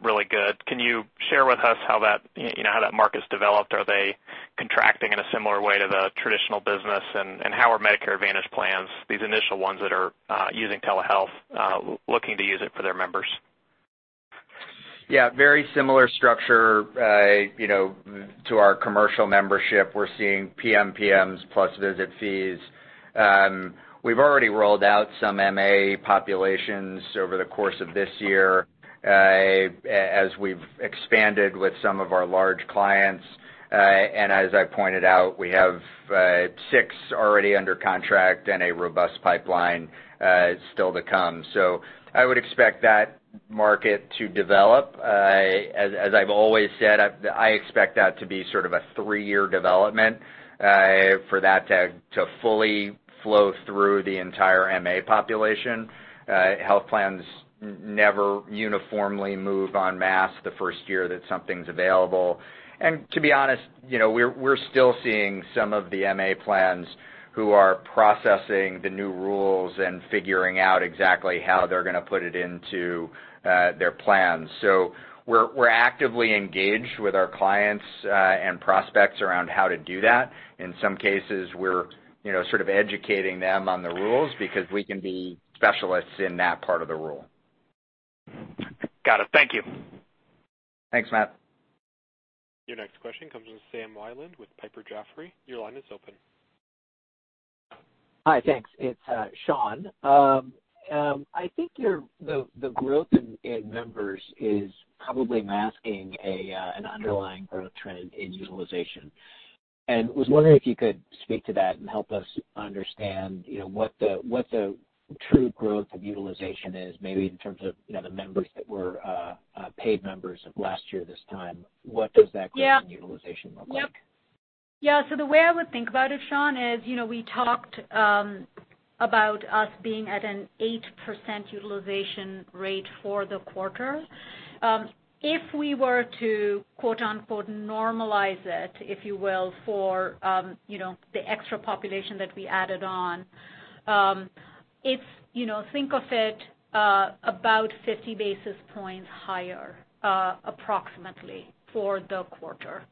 really good. Can you share with us how that market's developed? Are they contracting in a similar way to the traditional business? How are Medicare Advantage plans, these initial ones that are using telehealth, looking to use it for their members? Yeah, very similar structure to our commercial membership. We're seeing PMPMs plus visit fees. We've already rolled out some MA populations over the course of this year as we've expanded with some of our large clients. As I pointed out, we have six already under contract and a robust pipeline still to come. I would expect that market to develop. As I've always said, I expect that to be sort of a three-year development for that to fully flow through the entire MA population. Health plans never uniformly move en masse the first year that something's available. To be honest, we're still seeing some of the MA plans who are processing the new rules and figuring out exactly how they're going to put it into their plans. We're actively engaged with our clients, and prospects around how to do that. In some cases, we're sort of educating them on the rules because we can be specialists in that part of the rule. Got it. Thank you. Thanks, Matt. Your next question comes from Sean Wieland with Piper Jaffray. Your line is open. Hi. Thanks. It's Sean. I think the growth in members is probably masking an underlying growth trend in utilization. Was wondering if you could speak to that and help us understand what the true growth of utilization is, maybe in terms of the members that were paid members of last year, this time. What does that- Yeah growth and utilization look like? Yep. Yeah. The way I would think about it, Sean, is, we talked about us being at an 8% utilization rate for the quarter. If we were to, quote-unquote, normalize it, if you will, for the extra population that we added on, think of it about 50 basis points higher, approximately for the quarter.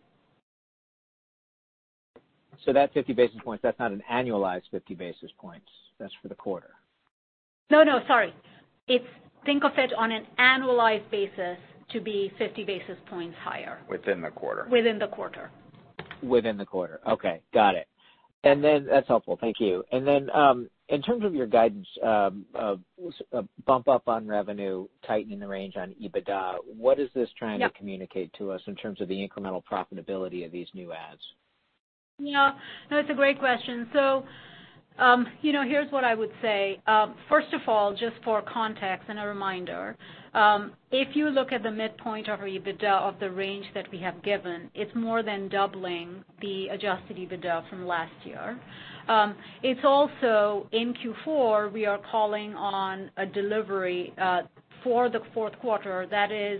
That 50 basis points, that's not an annualized 50 basis points. That's for the quarter. No, sorry. Think of it on an annualized basis to be 50 basis points higher. Within the quarter. Within the quarter. Within the quarter. Okay. Got it. That's helpful. Thank you. Then, in terms of your guidance of a bump up on revenue, tightening the range on EBITDA, what is this trying-? Yep to communicate to us in terms of the incremental profitability of these new adds? It's a great question. Here's what I would say. First of all, just for context and a reminder, if you look at the midpoint of our EBITDA of the range that we have given, it's more than doubling the adjusted EBITDA from last year. It's also in Q4, we are calling on a delivery for the fourth quarter that is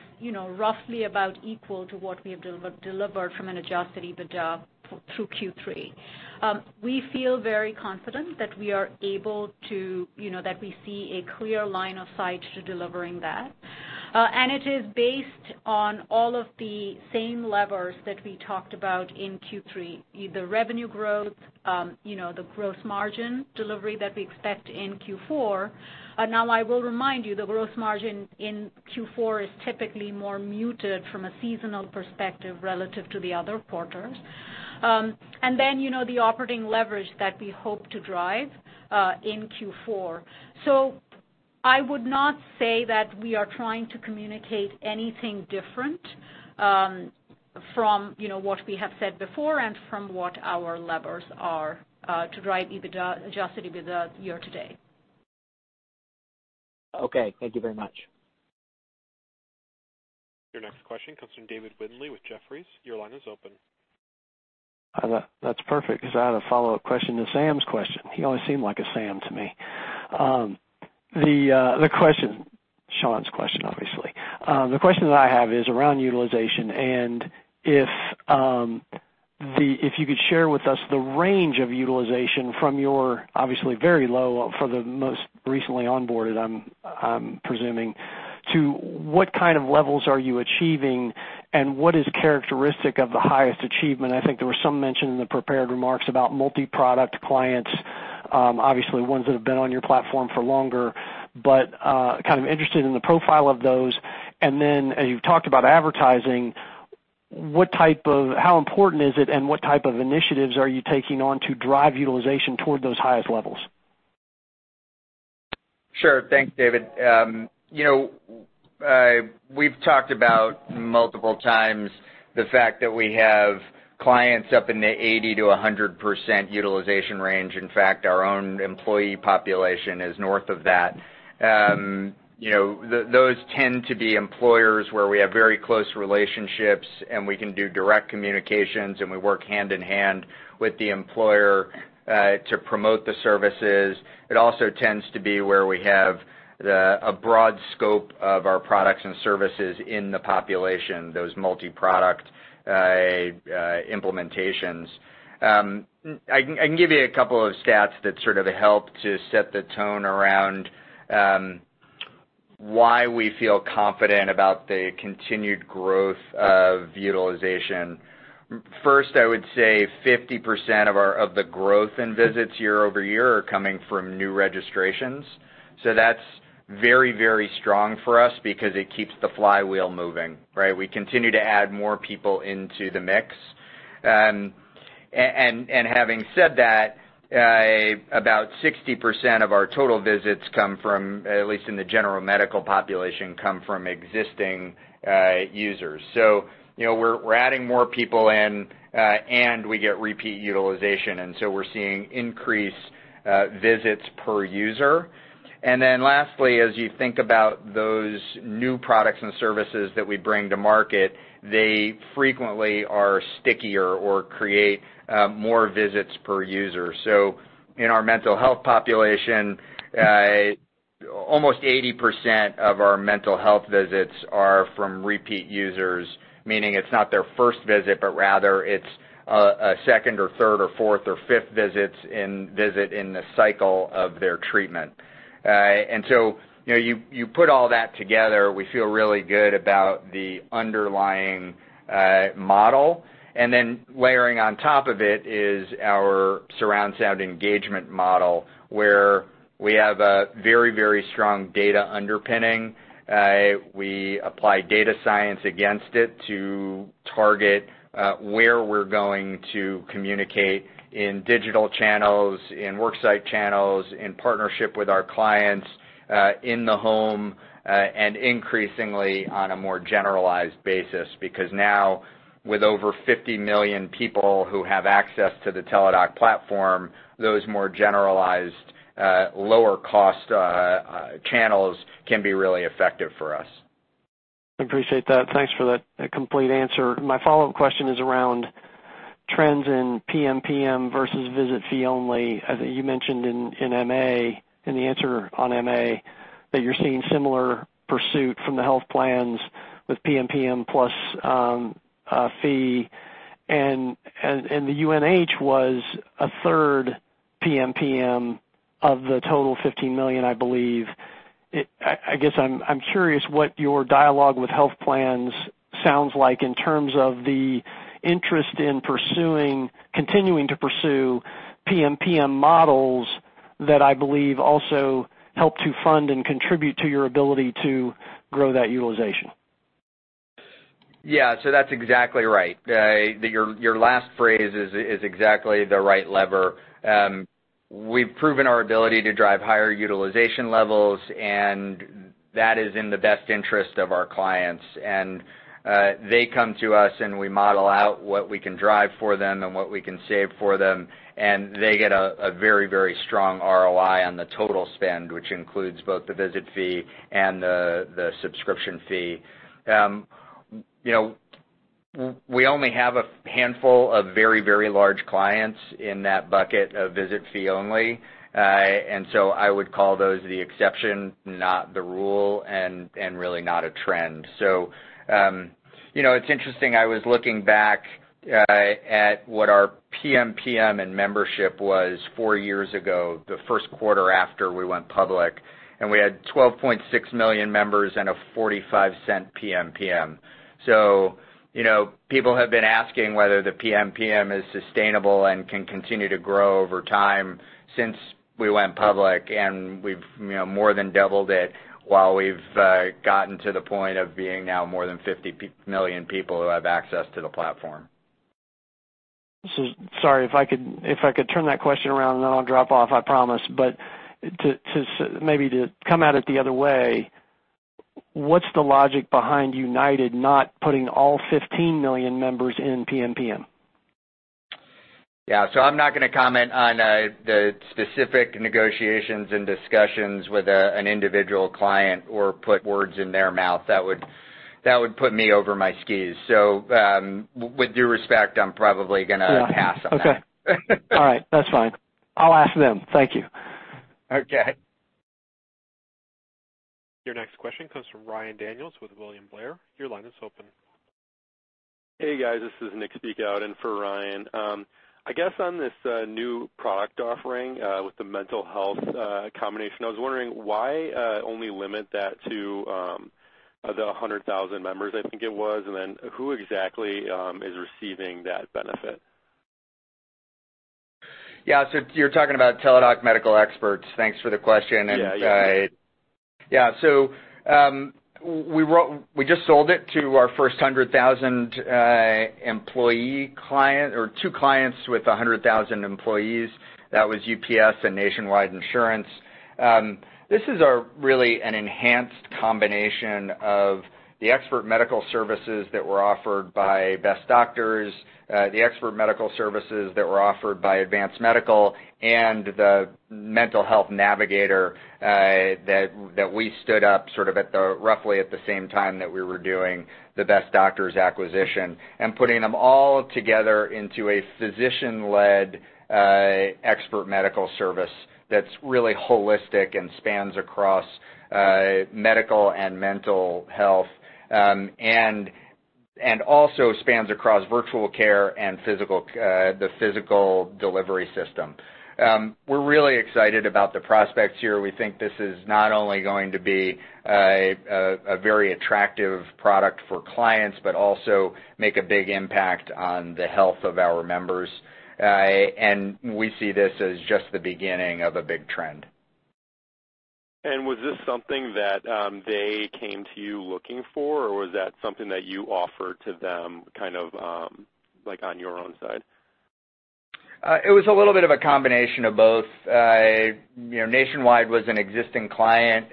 roughly about equal to what we have delivered from an adjusted EBITDA through Q3. We feel very confident that we see a clear line of sight to delivering that. It is based on all of the same levers that we talked about in Q3, the revenue growth, the gross margin delivery that we expect in Q4. I will remind you, the gross margin in Q4 is typically more muted from a seasonal perspective relative to the other quarters. The operating leverage that we hope to drive in Q4. I would not say that we are trying to communicate anything different from what we have said before and from what our levers are to drive adjusted EBITDA year to date. Okay. Thank you very much. Your next question comes from David Windley with Jefferies. Your line is open. That's perfect, because I had a follow-up question to Sean's question. He only seemed like a Sean to me. Sean's question, obviously. The question that I have is around utilization, and if you could share with us the range of utilization from your, obviously very low for the most recently onboarded, I'm presuming, to what kind of levels are you achieving, and what is characteristic of the highest achievement? I think there was some mention in the prepared remarks about multi-product clients, obviously ones that have been on your platform for longer, but kind of interested in the profile of those. As you've talked about advertising, how important is it, and what type of initiatives are you taking on to drive utilization toward those highest levels? Sure. Thanks, David. We've talked about multiple times the fact that we have clients up in the 80%-100% utilization range. In fact, our own employee population is north of that. Those tend to be employers where we have very close relationships, and we can do direct communications, and we work hand in hand with the employer to promote the services. It also tends to be where we have a broad scope of our products and services in the population, those multi-product implementations. I can give you a couple of stats that sort of help to set the tone around why we feel confident about the continued growth of utilization. First, I would say 50% of the growth in visits year-over-year are coming from new registrations. That's very strong for us because it keeps the flywheel moving, right? We continue to add more people into the mix. Having said that, about 60% of our total visits, at least in the general medical population, come from existing users. We're adding more people in, and we get repeat utilization, we're seeing increased visits per user. Lastly, as you think about those new products and services that we bring to market, they frequently are stickier or create more visits per user. In our mental health population, almost 80% of the mental health visits are from repeat users, meaning it's not their first visit, but rather it's a second or third or fourth or fifth visit in the cycle of their treatment. You put all that together, we feel really good about the underlying model. Layering on top of it is our surround sound engagement model, where we have a very strong data underpinning. We apply data science against it to target where we're going to communicate in digital channels, in work site channels, in partnership with our clients, in the home, and increasingly on a more generalized basis, because now with over 50 million people who have access to the Teladoc platform, those more generalized, lower cost channels can be really effective for us. I appreciate that. Thanks for that complete answer. My follow-up question is around trends in PMPM versus visit fee only. You mentioned in MA, in the answer on MA, that you're seeing similar pursuit from the health plans with PMPM plus a fee, and the UNH was a third PMPM of the total $15 million, I believe. I'm curious what your dialogue with health plans sounds like in terms of the interest in continuing to pursue PMPM models that I believe also help to fund and contribute to your ability to grow that utilization. Yeah, that's exactly right. Your last phrase is exactly the right lever. We've proven our ability to drive higher utilization levels, and that is in the best interest of our clients. They come to us, and we model out what we can drive for them and what we can save for them, and they get a very strong ROI on the total spend, which includes both the visit fee and the subscription fee. We only have a handful of very large clients in that bucket of visit fee only. I would call those the exception, not the rule, and really not a trend. It's interesting, I was looking back at what our PMPM and membership was four years ago, the first quarter after we went public, and we had 12.6 million members and a $0.45 PMPM. People have been asking whether the PMPM is sustainable and can continue to grow over time since we went public, and we've more than doubled it while we've gotten to the point of being now more than 50 million people who have access to the platform. Sorry, if I could turn that question around, and then I'll drop off, I promise. To maybe come at it the other way, what's the logic behind United not putting all 15 million members in PMPM? Yeah. I'm not going to comment on the specific negotiations and discussions with an individual client or put words in their mouth. That would put me over my skis. With due respect, I'm probably going to pass on that. Okay. All right. That's fine. I'll ask them. Thank you. Okay. Your next question comes from Ryan Daniels with William Blair. Your line is open. Hey, guys, this is Nick speaking out in for Ryan. I guess on this new product offering, with the mental health combination, I was wondering why only limit that to the 100,000 members I think it was, and then who exactly is receiving that benefit? Yeah. You're talking about Teladoc Medical Experts. Thanks for the question. Yeah. Yeah. We just sold it to our first 100,000 employee client or two clients with 100,000 employees. That was UPS and Nationwide Insurance. This is really an enhanced combination of the expert medical services that were offered by Best Doctors, the expert medical services that were offered by Advance Medical, and the Mental Health Navigator, that we stood up sort of roughly at the same time that we were doing the Best Doctors acquisition and putting them all together into a physician-led expert medical service that's really holistic and spans across medical and mental health, and also spans across virtual care and the physical delivery system. We're really excited about the prospects here. We think this is not only going to be a very attractive product for clients, but also make a big impact on the health of our members. We see this as just the beginning of a big trend. Was this something that they came to you looking for, or was that something that you offered to them, kind of like on your own side? It was a little bit of a combination of both. Nationwide was an existing client,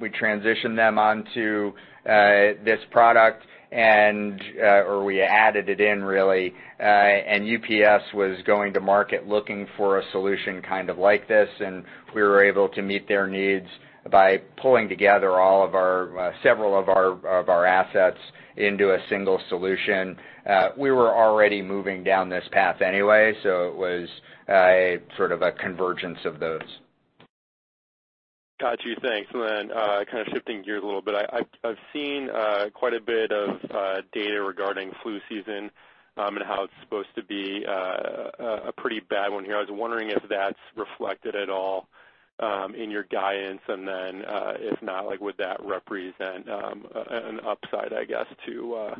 we transitioned them onto this product, or we added it in really. UPS was going to market looking for a solution kind of like this, and we were able to meet their needs by pulling together several of our assets into a single solution. We were already moving down this path anyway, so it was sort of a convergence of those. Got you. Thanks. Kind of shifting gears a little bit. I've seen quite a bit of data regarding flu season, and how it's supposed to be a pretty bad one here. I was wondering if that's reflected at all in your guidance, and then, if not, would that represent an upside, I guess, to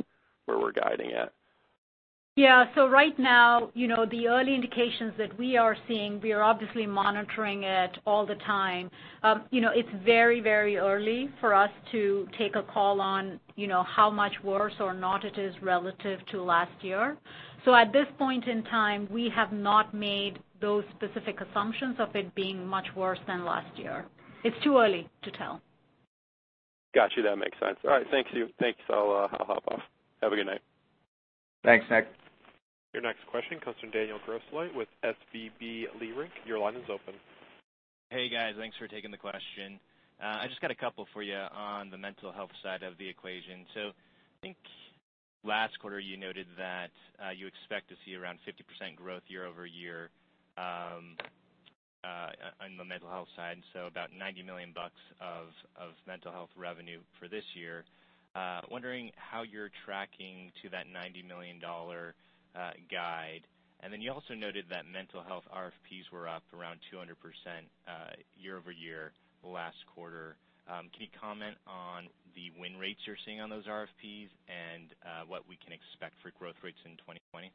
where we're guiding at? Yeah. Right now, the early indications that we are seeing, we are obviously monitoring it all the time. It's very early for us to take a call on how much worse or not it is relative to last year. At this point in time, we have not made those specific assumptions of it being much worse than last year. It's too early to tell. Got you. That makes sense. All right. Thank you. Thanks. I'll hop off. Have a good night. Thanks, Nick. Your next question comes from Daniel Grosslight with SVB Leerink. Your line is open. Hey, guys. Thanks for taking the question. I just got a couple for you on the mental health side of the equation. I think last quarter you noted that you expect to see around 50% growth year-over-year on the mental health side. About $90 million of mental health revenue for this year. Wondering how you're tracking to that $90 million guide. You also noted that mental health RFPs were up around 200% year-over-year last quarter. Can you comment on the win rates you're seeing on those RFPs and what we can expect for growth rates in 2020?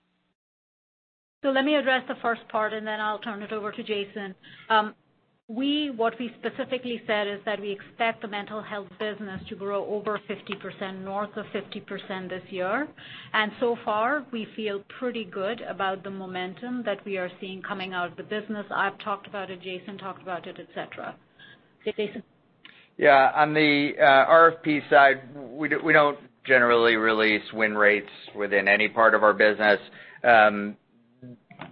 Let me address the first part, and then I'll turn it over to Jason. What we specifically said is that we expect the mental health business to grow over 50%, north of 50% this year. So far, we feel pretty good about the momentum that we are seeing coming out of the business. I've talked about it, Jason talked about it, et cetera. Jason? Yeah. On the RFP side, we don't generally release win rates within any part of our business.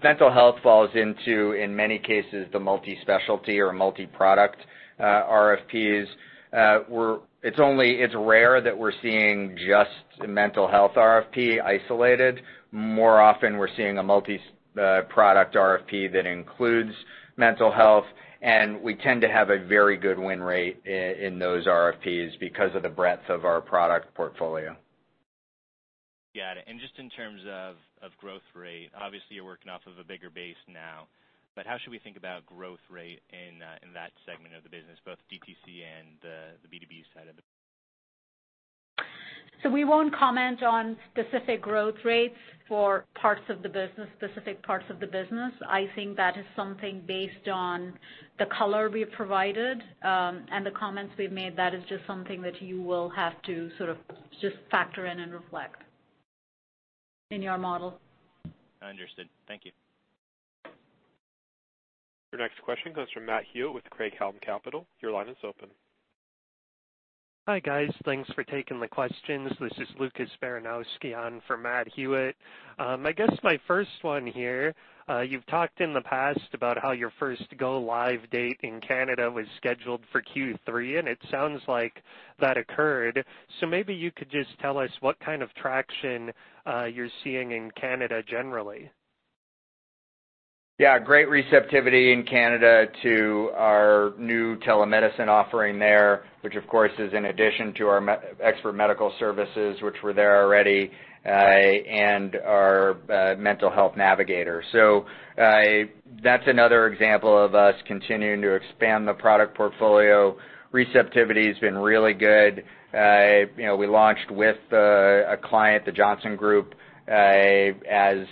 Mental health falls into, in many cases, the multi-specialty or multi-product RFPs. It's rare that we're seeing just mental health RFP isolated. More often, we're seeing a multi-product RFP that includes mental health, and we tend to have a very good win rate in those RFPs because of the breadth of our product portfolio. Got it. Just in terms of growth rate, obviously you're working off of a bigger base now, but how should we think about growth rate in that segment of the business, both DTC and the B2B side of it? We won't comment on specific growth rates for specific parts of the business. I think that is something based on the color we have provided, and the comments we've made. That is just something that you will have to sort of just factor in and reflect in your model. Understood. Thank you. Your next question comes from Matt Hewitt with Craig-Hallum Capital. Your line is open. Hi, guys. Thanks for taking the questions. This is Lucas Baranowski on for Matt Hewitt. I guess my first one here, you've talked in the past about how your first go-live date in Canada was scheduled for Q3, and it sounds like that occurred. Maybe you could just tell us what kind of traction you're seeing in Canada generally. Great receptivity in Canada to our new telemedicine offering there, which of course is in addition to our Teladoc Medical Experts, which were there already, and our Mental Health Navigator. That's another example of us continuing to expand the product portfolio. Receptivity's been really good. We launched with a client, the Johnston Group, as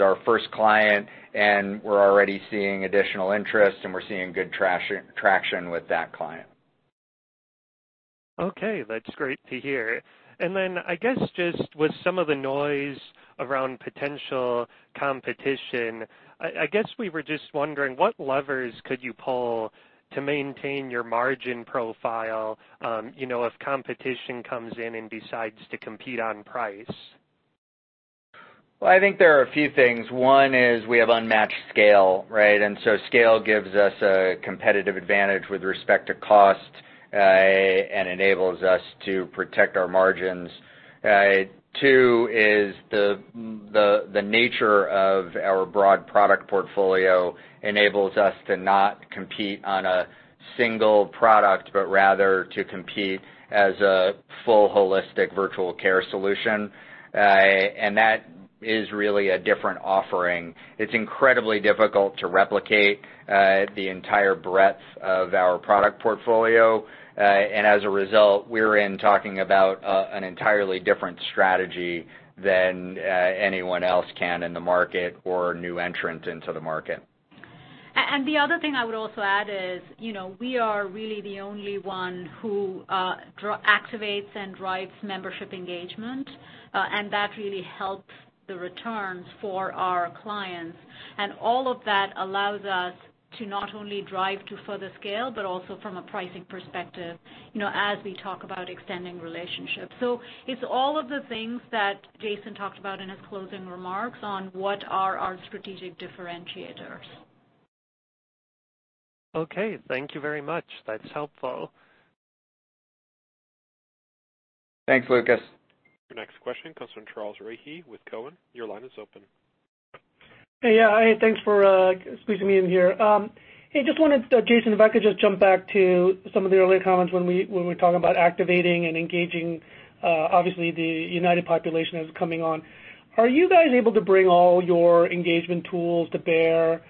our first client, and we're already seeing additional interest, and we're seeing good traction with that client. Okay. That's great to hear. I guess just with some of the noise around potential competition, I guess we were just wondering what levers could you pull to maintain your margin profile if competition comes in and decides to compete on price? Well, I think there are a few things. One is we have unmatched scale, right? Scale gives us a competitive advantage with respect to cost, and enables us to protect our margins. Two is the nature of our broad product portfolio enables us to not compete on a single product, but rather to compete as a full holistic virtual care solution. That is really a different offering. It's incredibly difficult to replicate the entire breadth of our product portfolio. As a result, we're in talking about an entirely different strategy than anyone else can in the market or a new entrant into the market. The other thing I would also add is, we are really the only one who activates and drives membership engagement. That really helps the returns for our clients. All of that allows us to not only drive to further scale, but also from a pricing perspective, as we talk about extending relationships. It's all of the things that Jason talked about in his closing remarks on what are our strategic differentiators. Okay. Thank you very much. That's helpful. Thanks, Lucas. Your next question comes from Charles Rhyee with Cowen. Your line is open. Hey. Yeah. Thanks for squeezing me in here. Hey, just wanted, Jason, if I could just jump back to some of the earlier comments when we were talking about activating and engaging, obviously, the United population that is coming on. Are you guys able to bring all your engagement tools to bear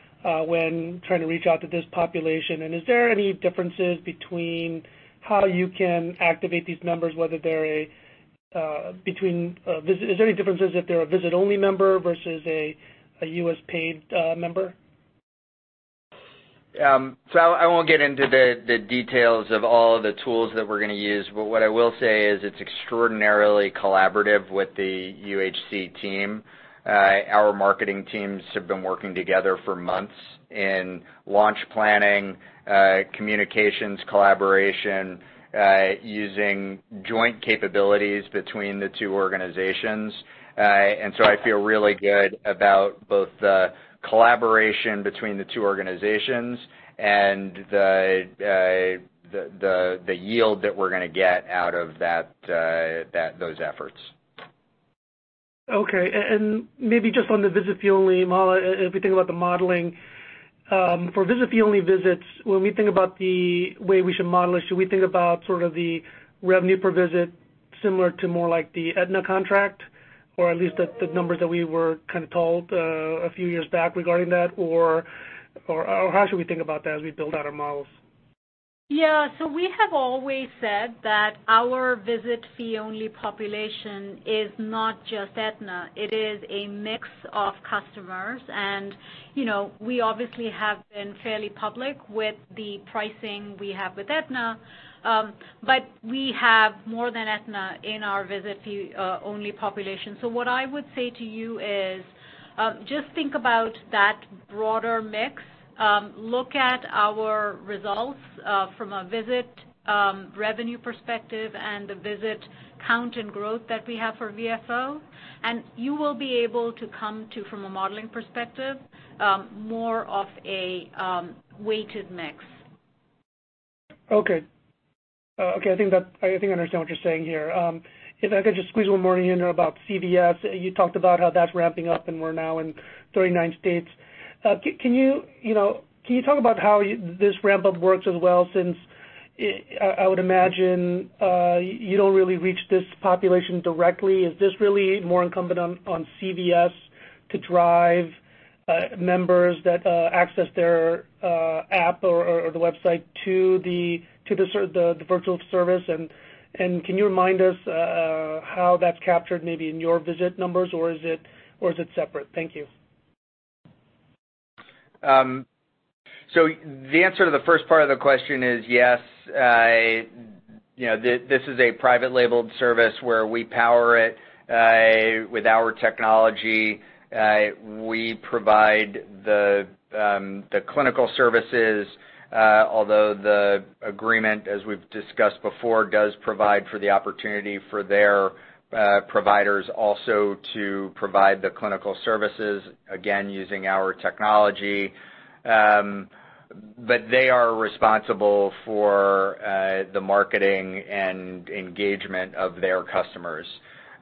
when trying to reach out to this population? Is there any differences between how you can activate these members if they're a visit-only member versus a U.S. paid member? I won't get into the details of all the tools that we're going to use. What I will say is it's extraordinarily collaborative with the UHC team. Our marketing teams have been working together for months in launch planning, communications, collaboration, using joint capabilities between the two organizations. I feel really good about both the collaboration between the two organizations and the yield that we're going to get out of those efforts. Okay. Maybe just on the visit fee only model, if we think about the modeling. For visit fee only visits, when we think about the way we should model it, should we think about sort of the revenue per visit similar to more like the Aetna contract? At least the numbers that we were kind of told a few years back regarding that, or how should we think about that as we build out our models? Yeah. We have always said that our visit fee only population is not just Aetna. It is a mix of customers. We obviously have been fairly public with the pricing we have with Aetna. We have more than Aetna in our visit fee only population. What I would say to you is, just think about that broader mix. Look at our results, from a visit revenue perspective and the visit count and growth that we have for VFO. You will be able to come to, from a modeling perspective, more of a weighted mix. Okay. I think I understand what you're saying here. If I could just squeeze one more in about CVS. You talked about how that's ramping up and we're now in 39 states. Can you talk about how this ramp-up works as well, since I would imagine, you don't really reach this population directly. Is this really more incumbent on CVS to drive members that access their app or the website to the virtual service? Can you remind us how that's captured maybe in your visit numbers, or is it separate? Thank you. The answer to the first part of the question is yes. This is a private labeled service where we power it with our technology. We provide the clinical services. Although the agreement, as we've discussed before, does provide for the opportunity for their providers also to provide the clinical services, again, using our technology. They are responsible for the marketing and engagement of their customers.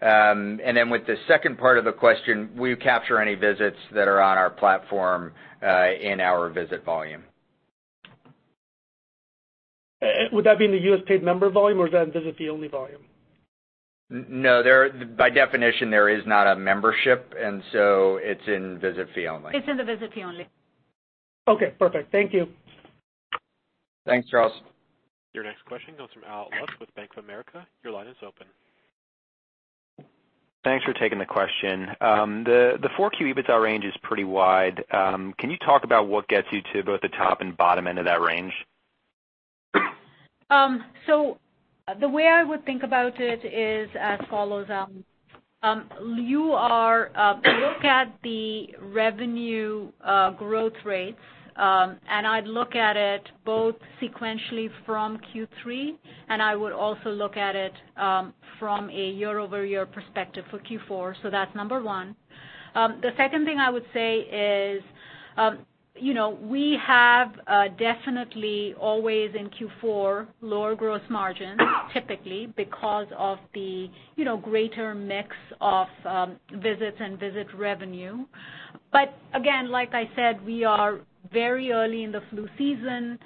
With the second part of the question, we capture any visits that are on our platform, in our visit volume. Would that be in the U.S. paid member volume, or is that in visit fee only volume? No. By definition, there is not a membership, and so it's in visit fee only. It's in the visit fee only. Okay, perfect. Thank you. Thanks, Charles. Your next question comes from Allen Lutz with Bank of America. Your line is open. Thanks for taking the question. The 4Q EBITDA range is pretty wide. Can you talk about what gets you to both the top and bottom end of that range? The way I would think about it is as follows. Look at the revenue growth rates, and I'd look at it both sequentially from Q3, and I would also look at it from a year-over-year perspective for Q4. That's number one. The second thing I would say is, we have definitely always in Q4 lower gross margins typically because of the greater mix of visits and visit revenue. Again, like I said, we are very early in the flu season.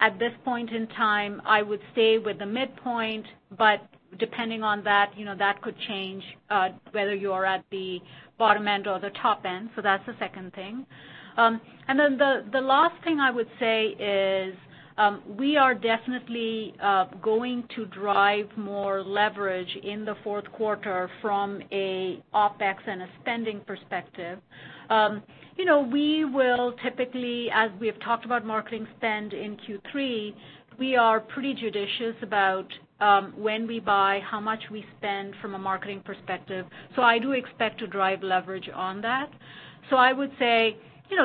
At this point in time, I would stay with the midpoint, but depending on that could change, whether you are at the bottom end or the top end. That's the second thing. The last thing I would say is, we are definitely going to drive more leverage in the fourth quarter from an OpEx and a spending perspective. We will typically, as we have talked about marketing spend in Q3, we are pretty judicious about when we buy, how much we spend from a marketing perspective. I do expect to drive leverage on that. I would say,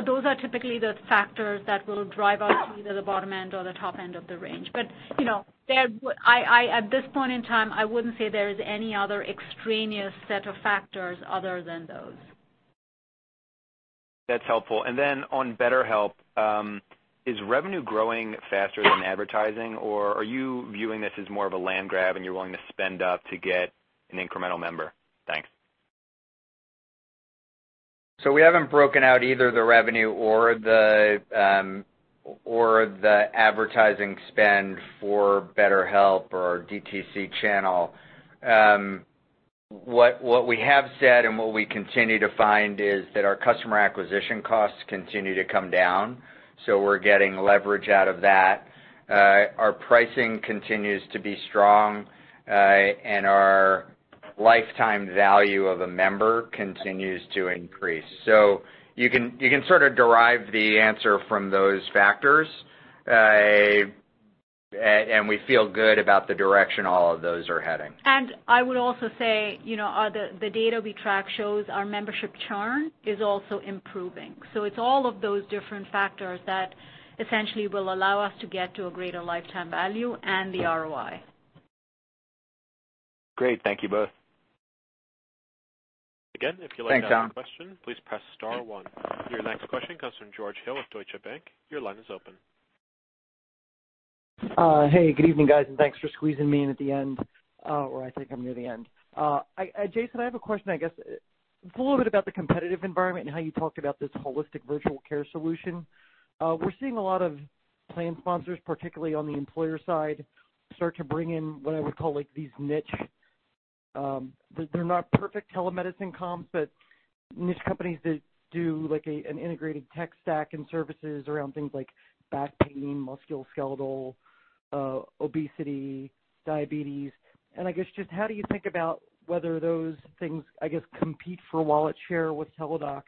those are typically the factors that will drive us either the bottom end or the top end of the range. At this point in time, I wouldn't say there is any other extraneous set of factors other than those. That's helpful. On BetterHelp, is revenue growing faster than advertising, or are you viewing this as more of a land grab and you're willing to spend up to get an incremental member? Thanks. We haven't broken out either the revenue or the advertising spend for BetterHelp or our DTC channel. What we have said and what we continue to find is that our customer acquisition costs continue to come down, so we're getting leverage out of that. Our pricing continues to be strong, and our lifetime value of a member continues to increase. You can sort of derive the answer from those factors. We feel good about the direction all of those are heading. I would also say, the data we track shows our membership churn is also improving. It's all of those different factors that essentially will allow us to get to a greater lifetime value and the ROI. Great. Thank you both. Again, if you'd like to ask a question, please press star 1. Your next question comes from George Hill with Deutsche Bank. Your line is open. Good evening, guys, thanks for squeezing me in at the end, or I think I'm near the end. Jason, I have a question, I guess. It's a little bit about the competitive environment and how you talked about this holistic virtual care solution. We're seeing a lot of plan sponsors, particularly on the employer side, start to bring in what I would call these niche, they're not perfect telemedicine comps, but niche companies that do an integrated tech stack and services around things like back pain, musculoskeletal, obesity, diabetes. I guess, just how do you think about whether those things, I guess, compete for wallet share with Teladoc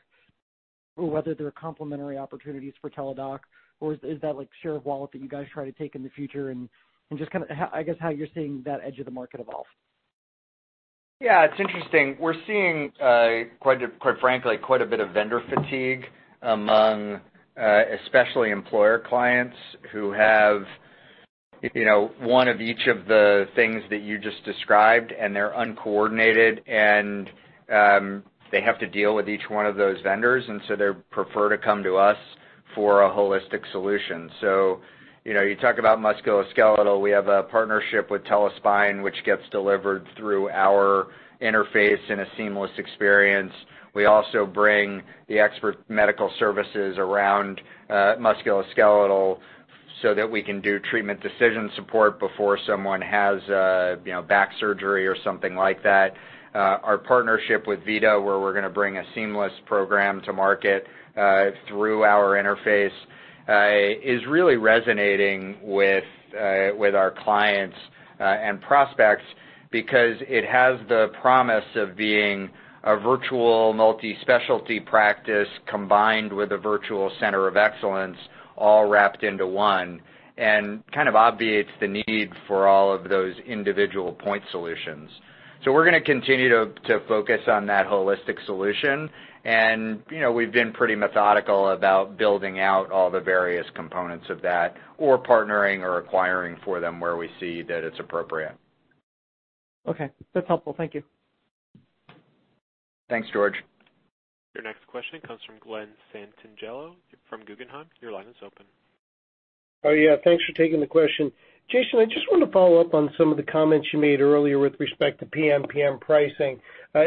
or whether they're complementary opportunities for Teladoc, or is that share of wallet that you guys try to take in the future and just kind of, I guess, how you're seeing that edge of the market evolve? Yeah, it's interesting. We're seeing, quite frankly, quite a bit of vendor fatigue among especially employer clients who have one of each of the things that you just described, and they're uncoordinated, and they have to deal with each one of those vendors. They prefer to come to us for a holistic solution. You talk about musculoskeletal. We have a partnership with TeleSpine, which gets delivered through our interface in a seamless experience. We also bring the expert medical services around musculoskeletal so that we can do treatment decision support before someone has back surgery or something like that. Our partnership with Vida, where we're going to bring a seamless program to market through our interface, is really resonating with our clients and prospects because it has the promise of being a virtual multi-specialty practice combined with a virtual center of excellence all wrapped into one and kind of obviates the need for all of those individual point solutions. We're going to continue to focus on that holistic solution, and we've been pretty methodical about building out all the various components of that, or partnering or acquiring for them where we see that it's appropriate. Okay. That's helpful. Thank you. Thanks, George. Your next question comes from Glen Santangelo from Guggenheim. Your line is open. Oh, yeah. Thanks for taking the question. Jason, I just want to follow up on some of the comments you made earlier with respect to PMPM pricing. I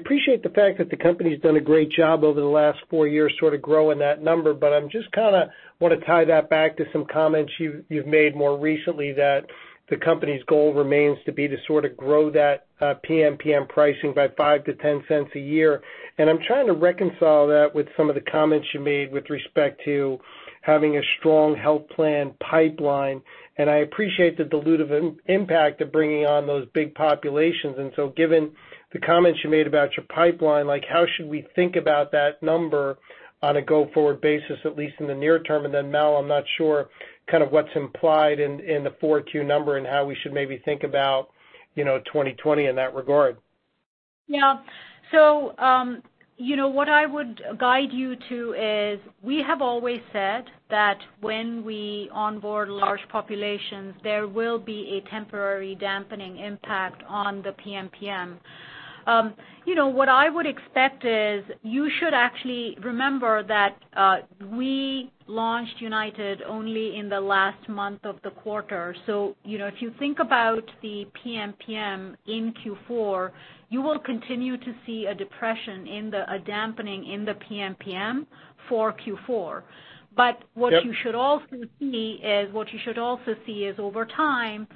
appreciate the fact that the company's done a great job over the last four years sort of growing that number, but I just kind of want to tie that back to some comments you've made more recently that the company's goal remains to be to sort of grow that PMPM pricing by $0.05-$0.10 a year. I'm trying to reconcile that with some of the comments you made with respect to having a strong health plan pipeline. I appreciate the dilutive impact of bringing on those big populations. Given the comments you made about your pipeline, how should we think about that number on a go-forward basis, at least in the near term? Mal, I'm not sure kind of what's implied in the 4Q number and how we should maybe think about 2020 in that regard. Yeah. What I would guide you to is we have always said that when we onboard large populations, there will be a temporary dampening impact on the PMPM. What I would expect is you should actually remember that we launched United only in the last month of the quarter. If you think about the PMPM in Q4, you will continue to see a dampening in the PMPM for Q4. What you should also see is, over time,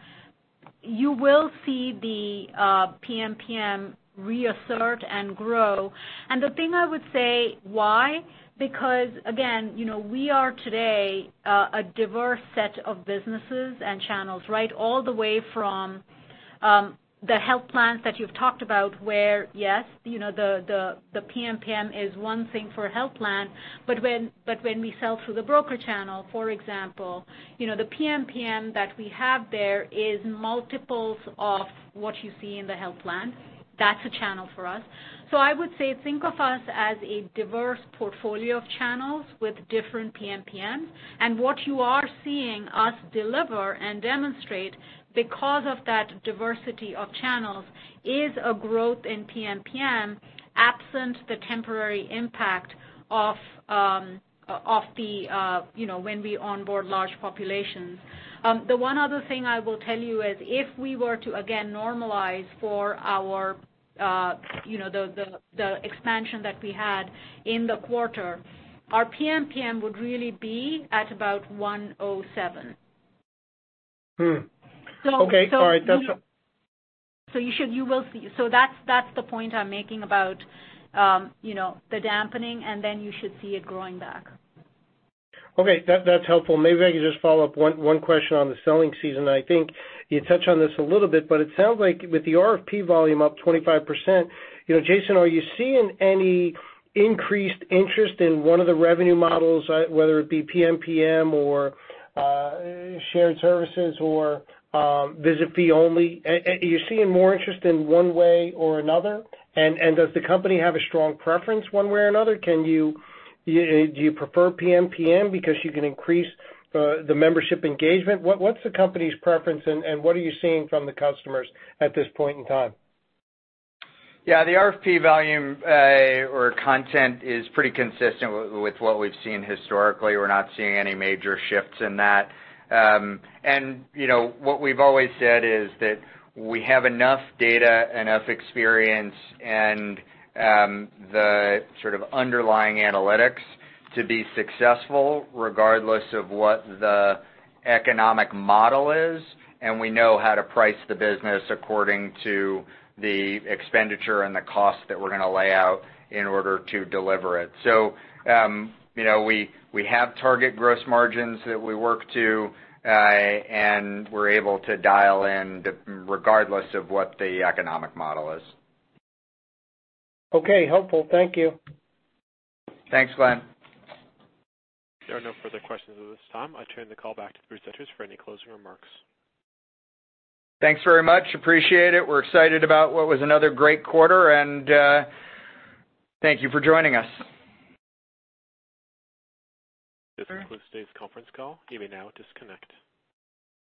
you will see the PMPM reassert and grow. The thing I would say why, because again, we are today a diverse set of businesses and channels, right? All the way from the health plans that you've talked about, where, yes the PMPM is one thing for a health plan, but when we sell through the broker channel, for example, the PMPM that we have there is multiples of what you see in the health plan. That's a channel for us. I would say think of us as a diverse portfolio of channels with different PMPMs, and what you are seeing us deliver and demonstrate because of that diversity of channels is a growth in PMPM absent the temporary impact of the when we onboard large populations. The one other thing I will tell you is if we were to, again, normalize for the expansion that we had in the quarter, our PMPM would really be at about $107. Okay. All right. You will see. That's the point I'm making about the dampening, and then you should see it growing back. Okay. That's helpful. Maybe I can just follow up one question on the selling season. I think you touched on this a little bit, but it sounds like with the RFP volume up 25%, Jason, are you seeing any increased interest in one of the revenue models, whether it be PMPM or shared services or visit fee only? Are you seeing more interest in one way or another? Does the company have a strong preference one way or another? Do you prefer PMPM because you can increase the membership engagement? What's the company's preference, and what are you seeing from the customers at this point in time? Yeah. The RFP volume or content is pretty consistent with what we've seen historically. We're not seeing any major shifts in that. What we've always said is that we have enough data, enough experience, and the sort of underlying analytics to be successful regardless of what the economic model is, and we know how to price the business according to the expenditure and the cost that we're going to lay out in order to deliver it. We have target gross margins that we work to, and we're able to dial in regardless of what the economic model is. Okay. Helpful. Thank you. Thanks, Glen. There are no further questions at this time. I turn the call back to the presenters for any closing remarks. Thanks very much. Appreciate it. We're excited about what was another great quarter, and thank you for joining us. This concludes today's conference call. You may now disconnect.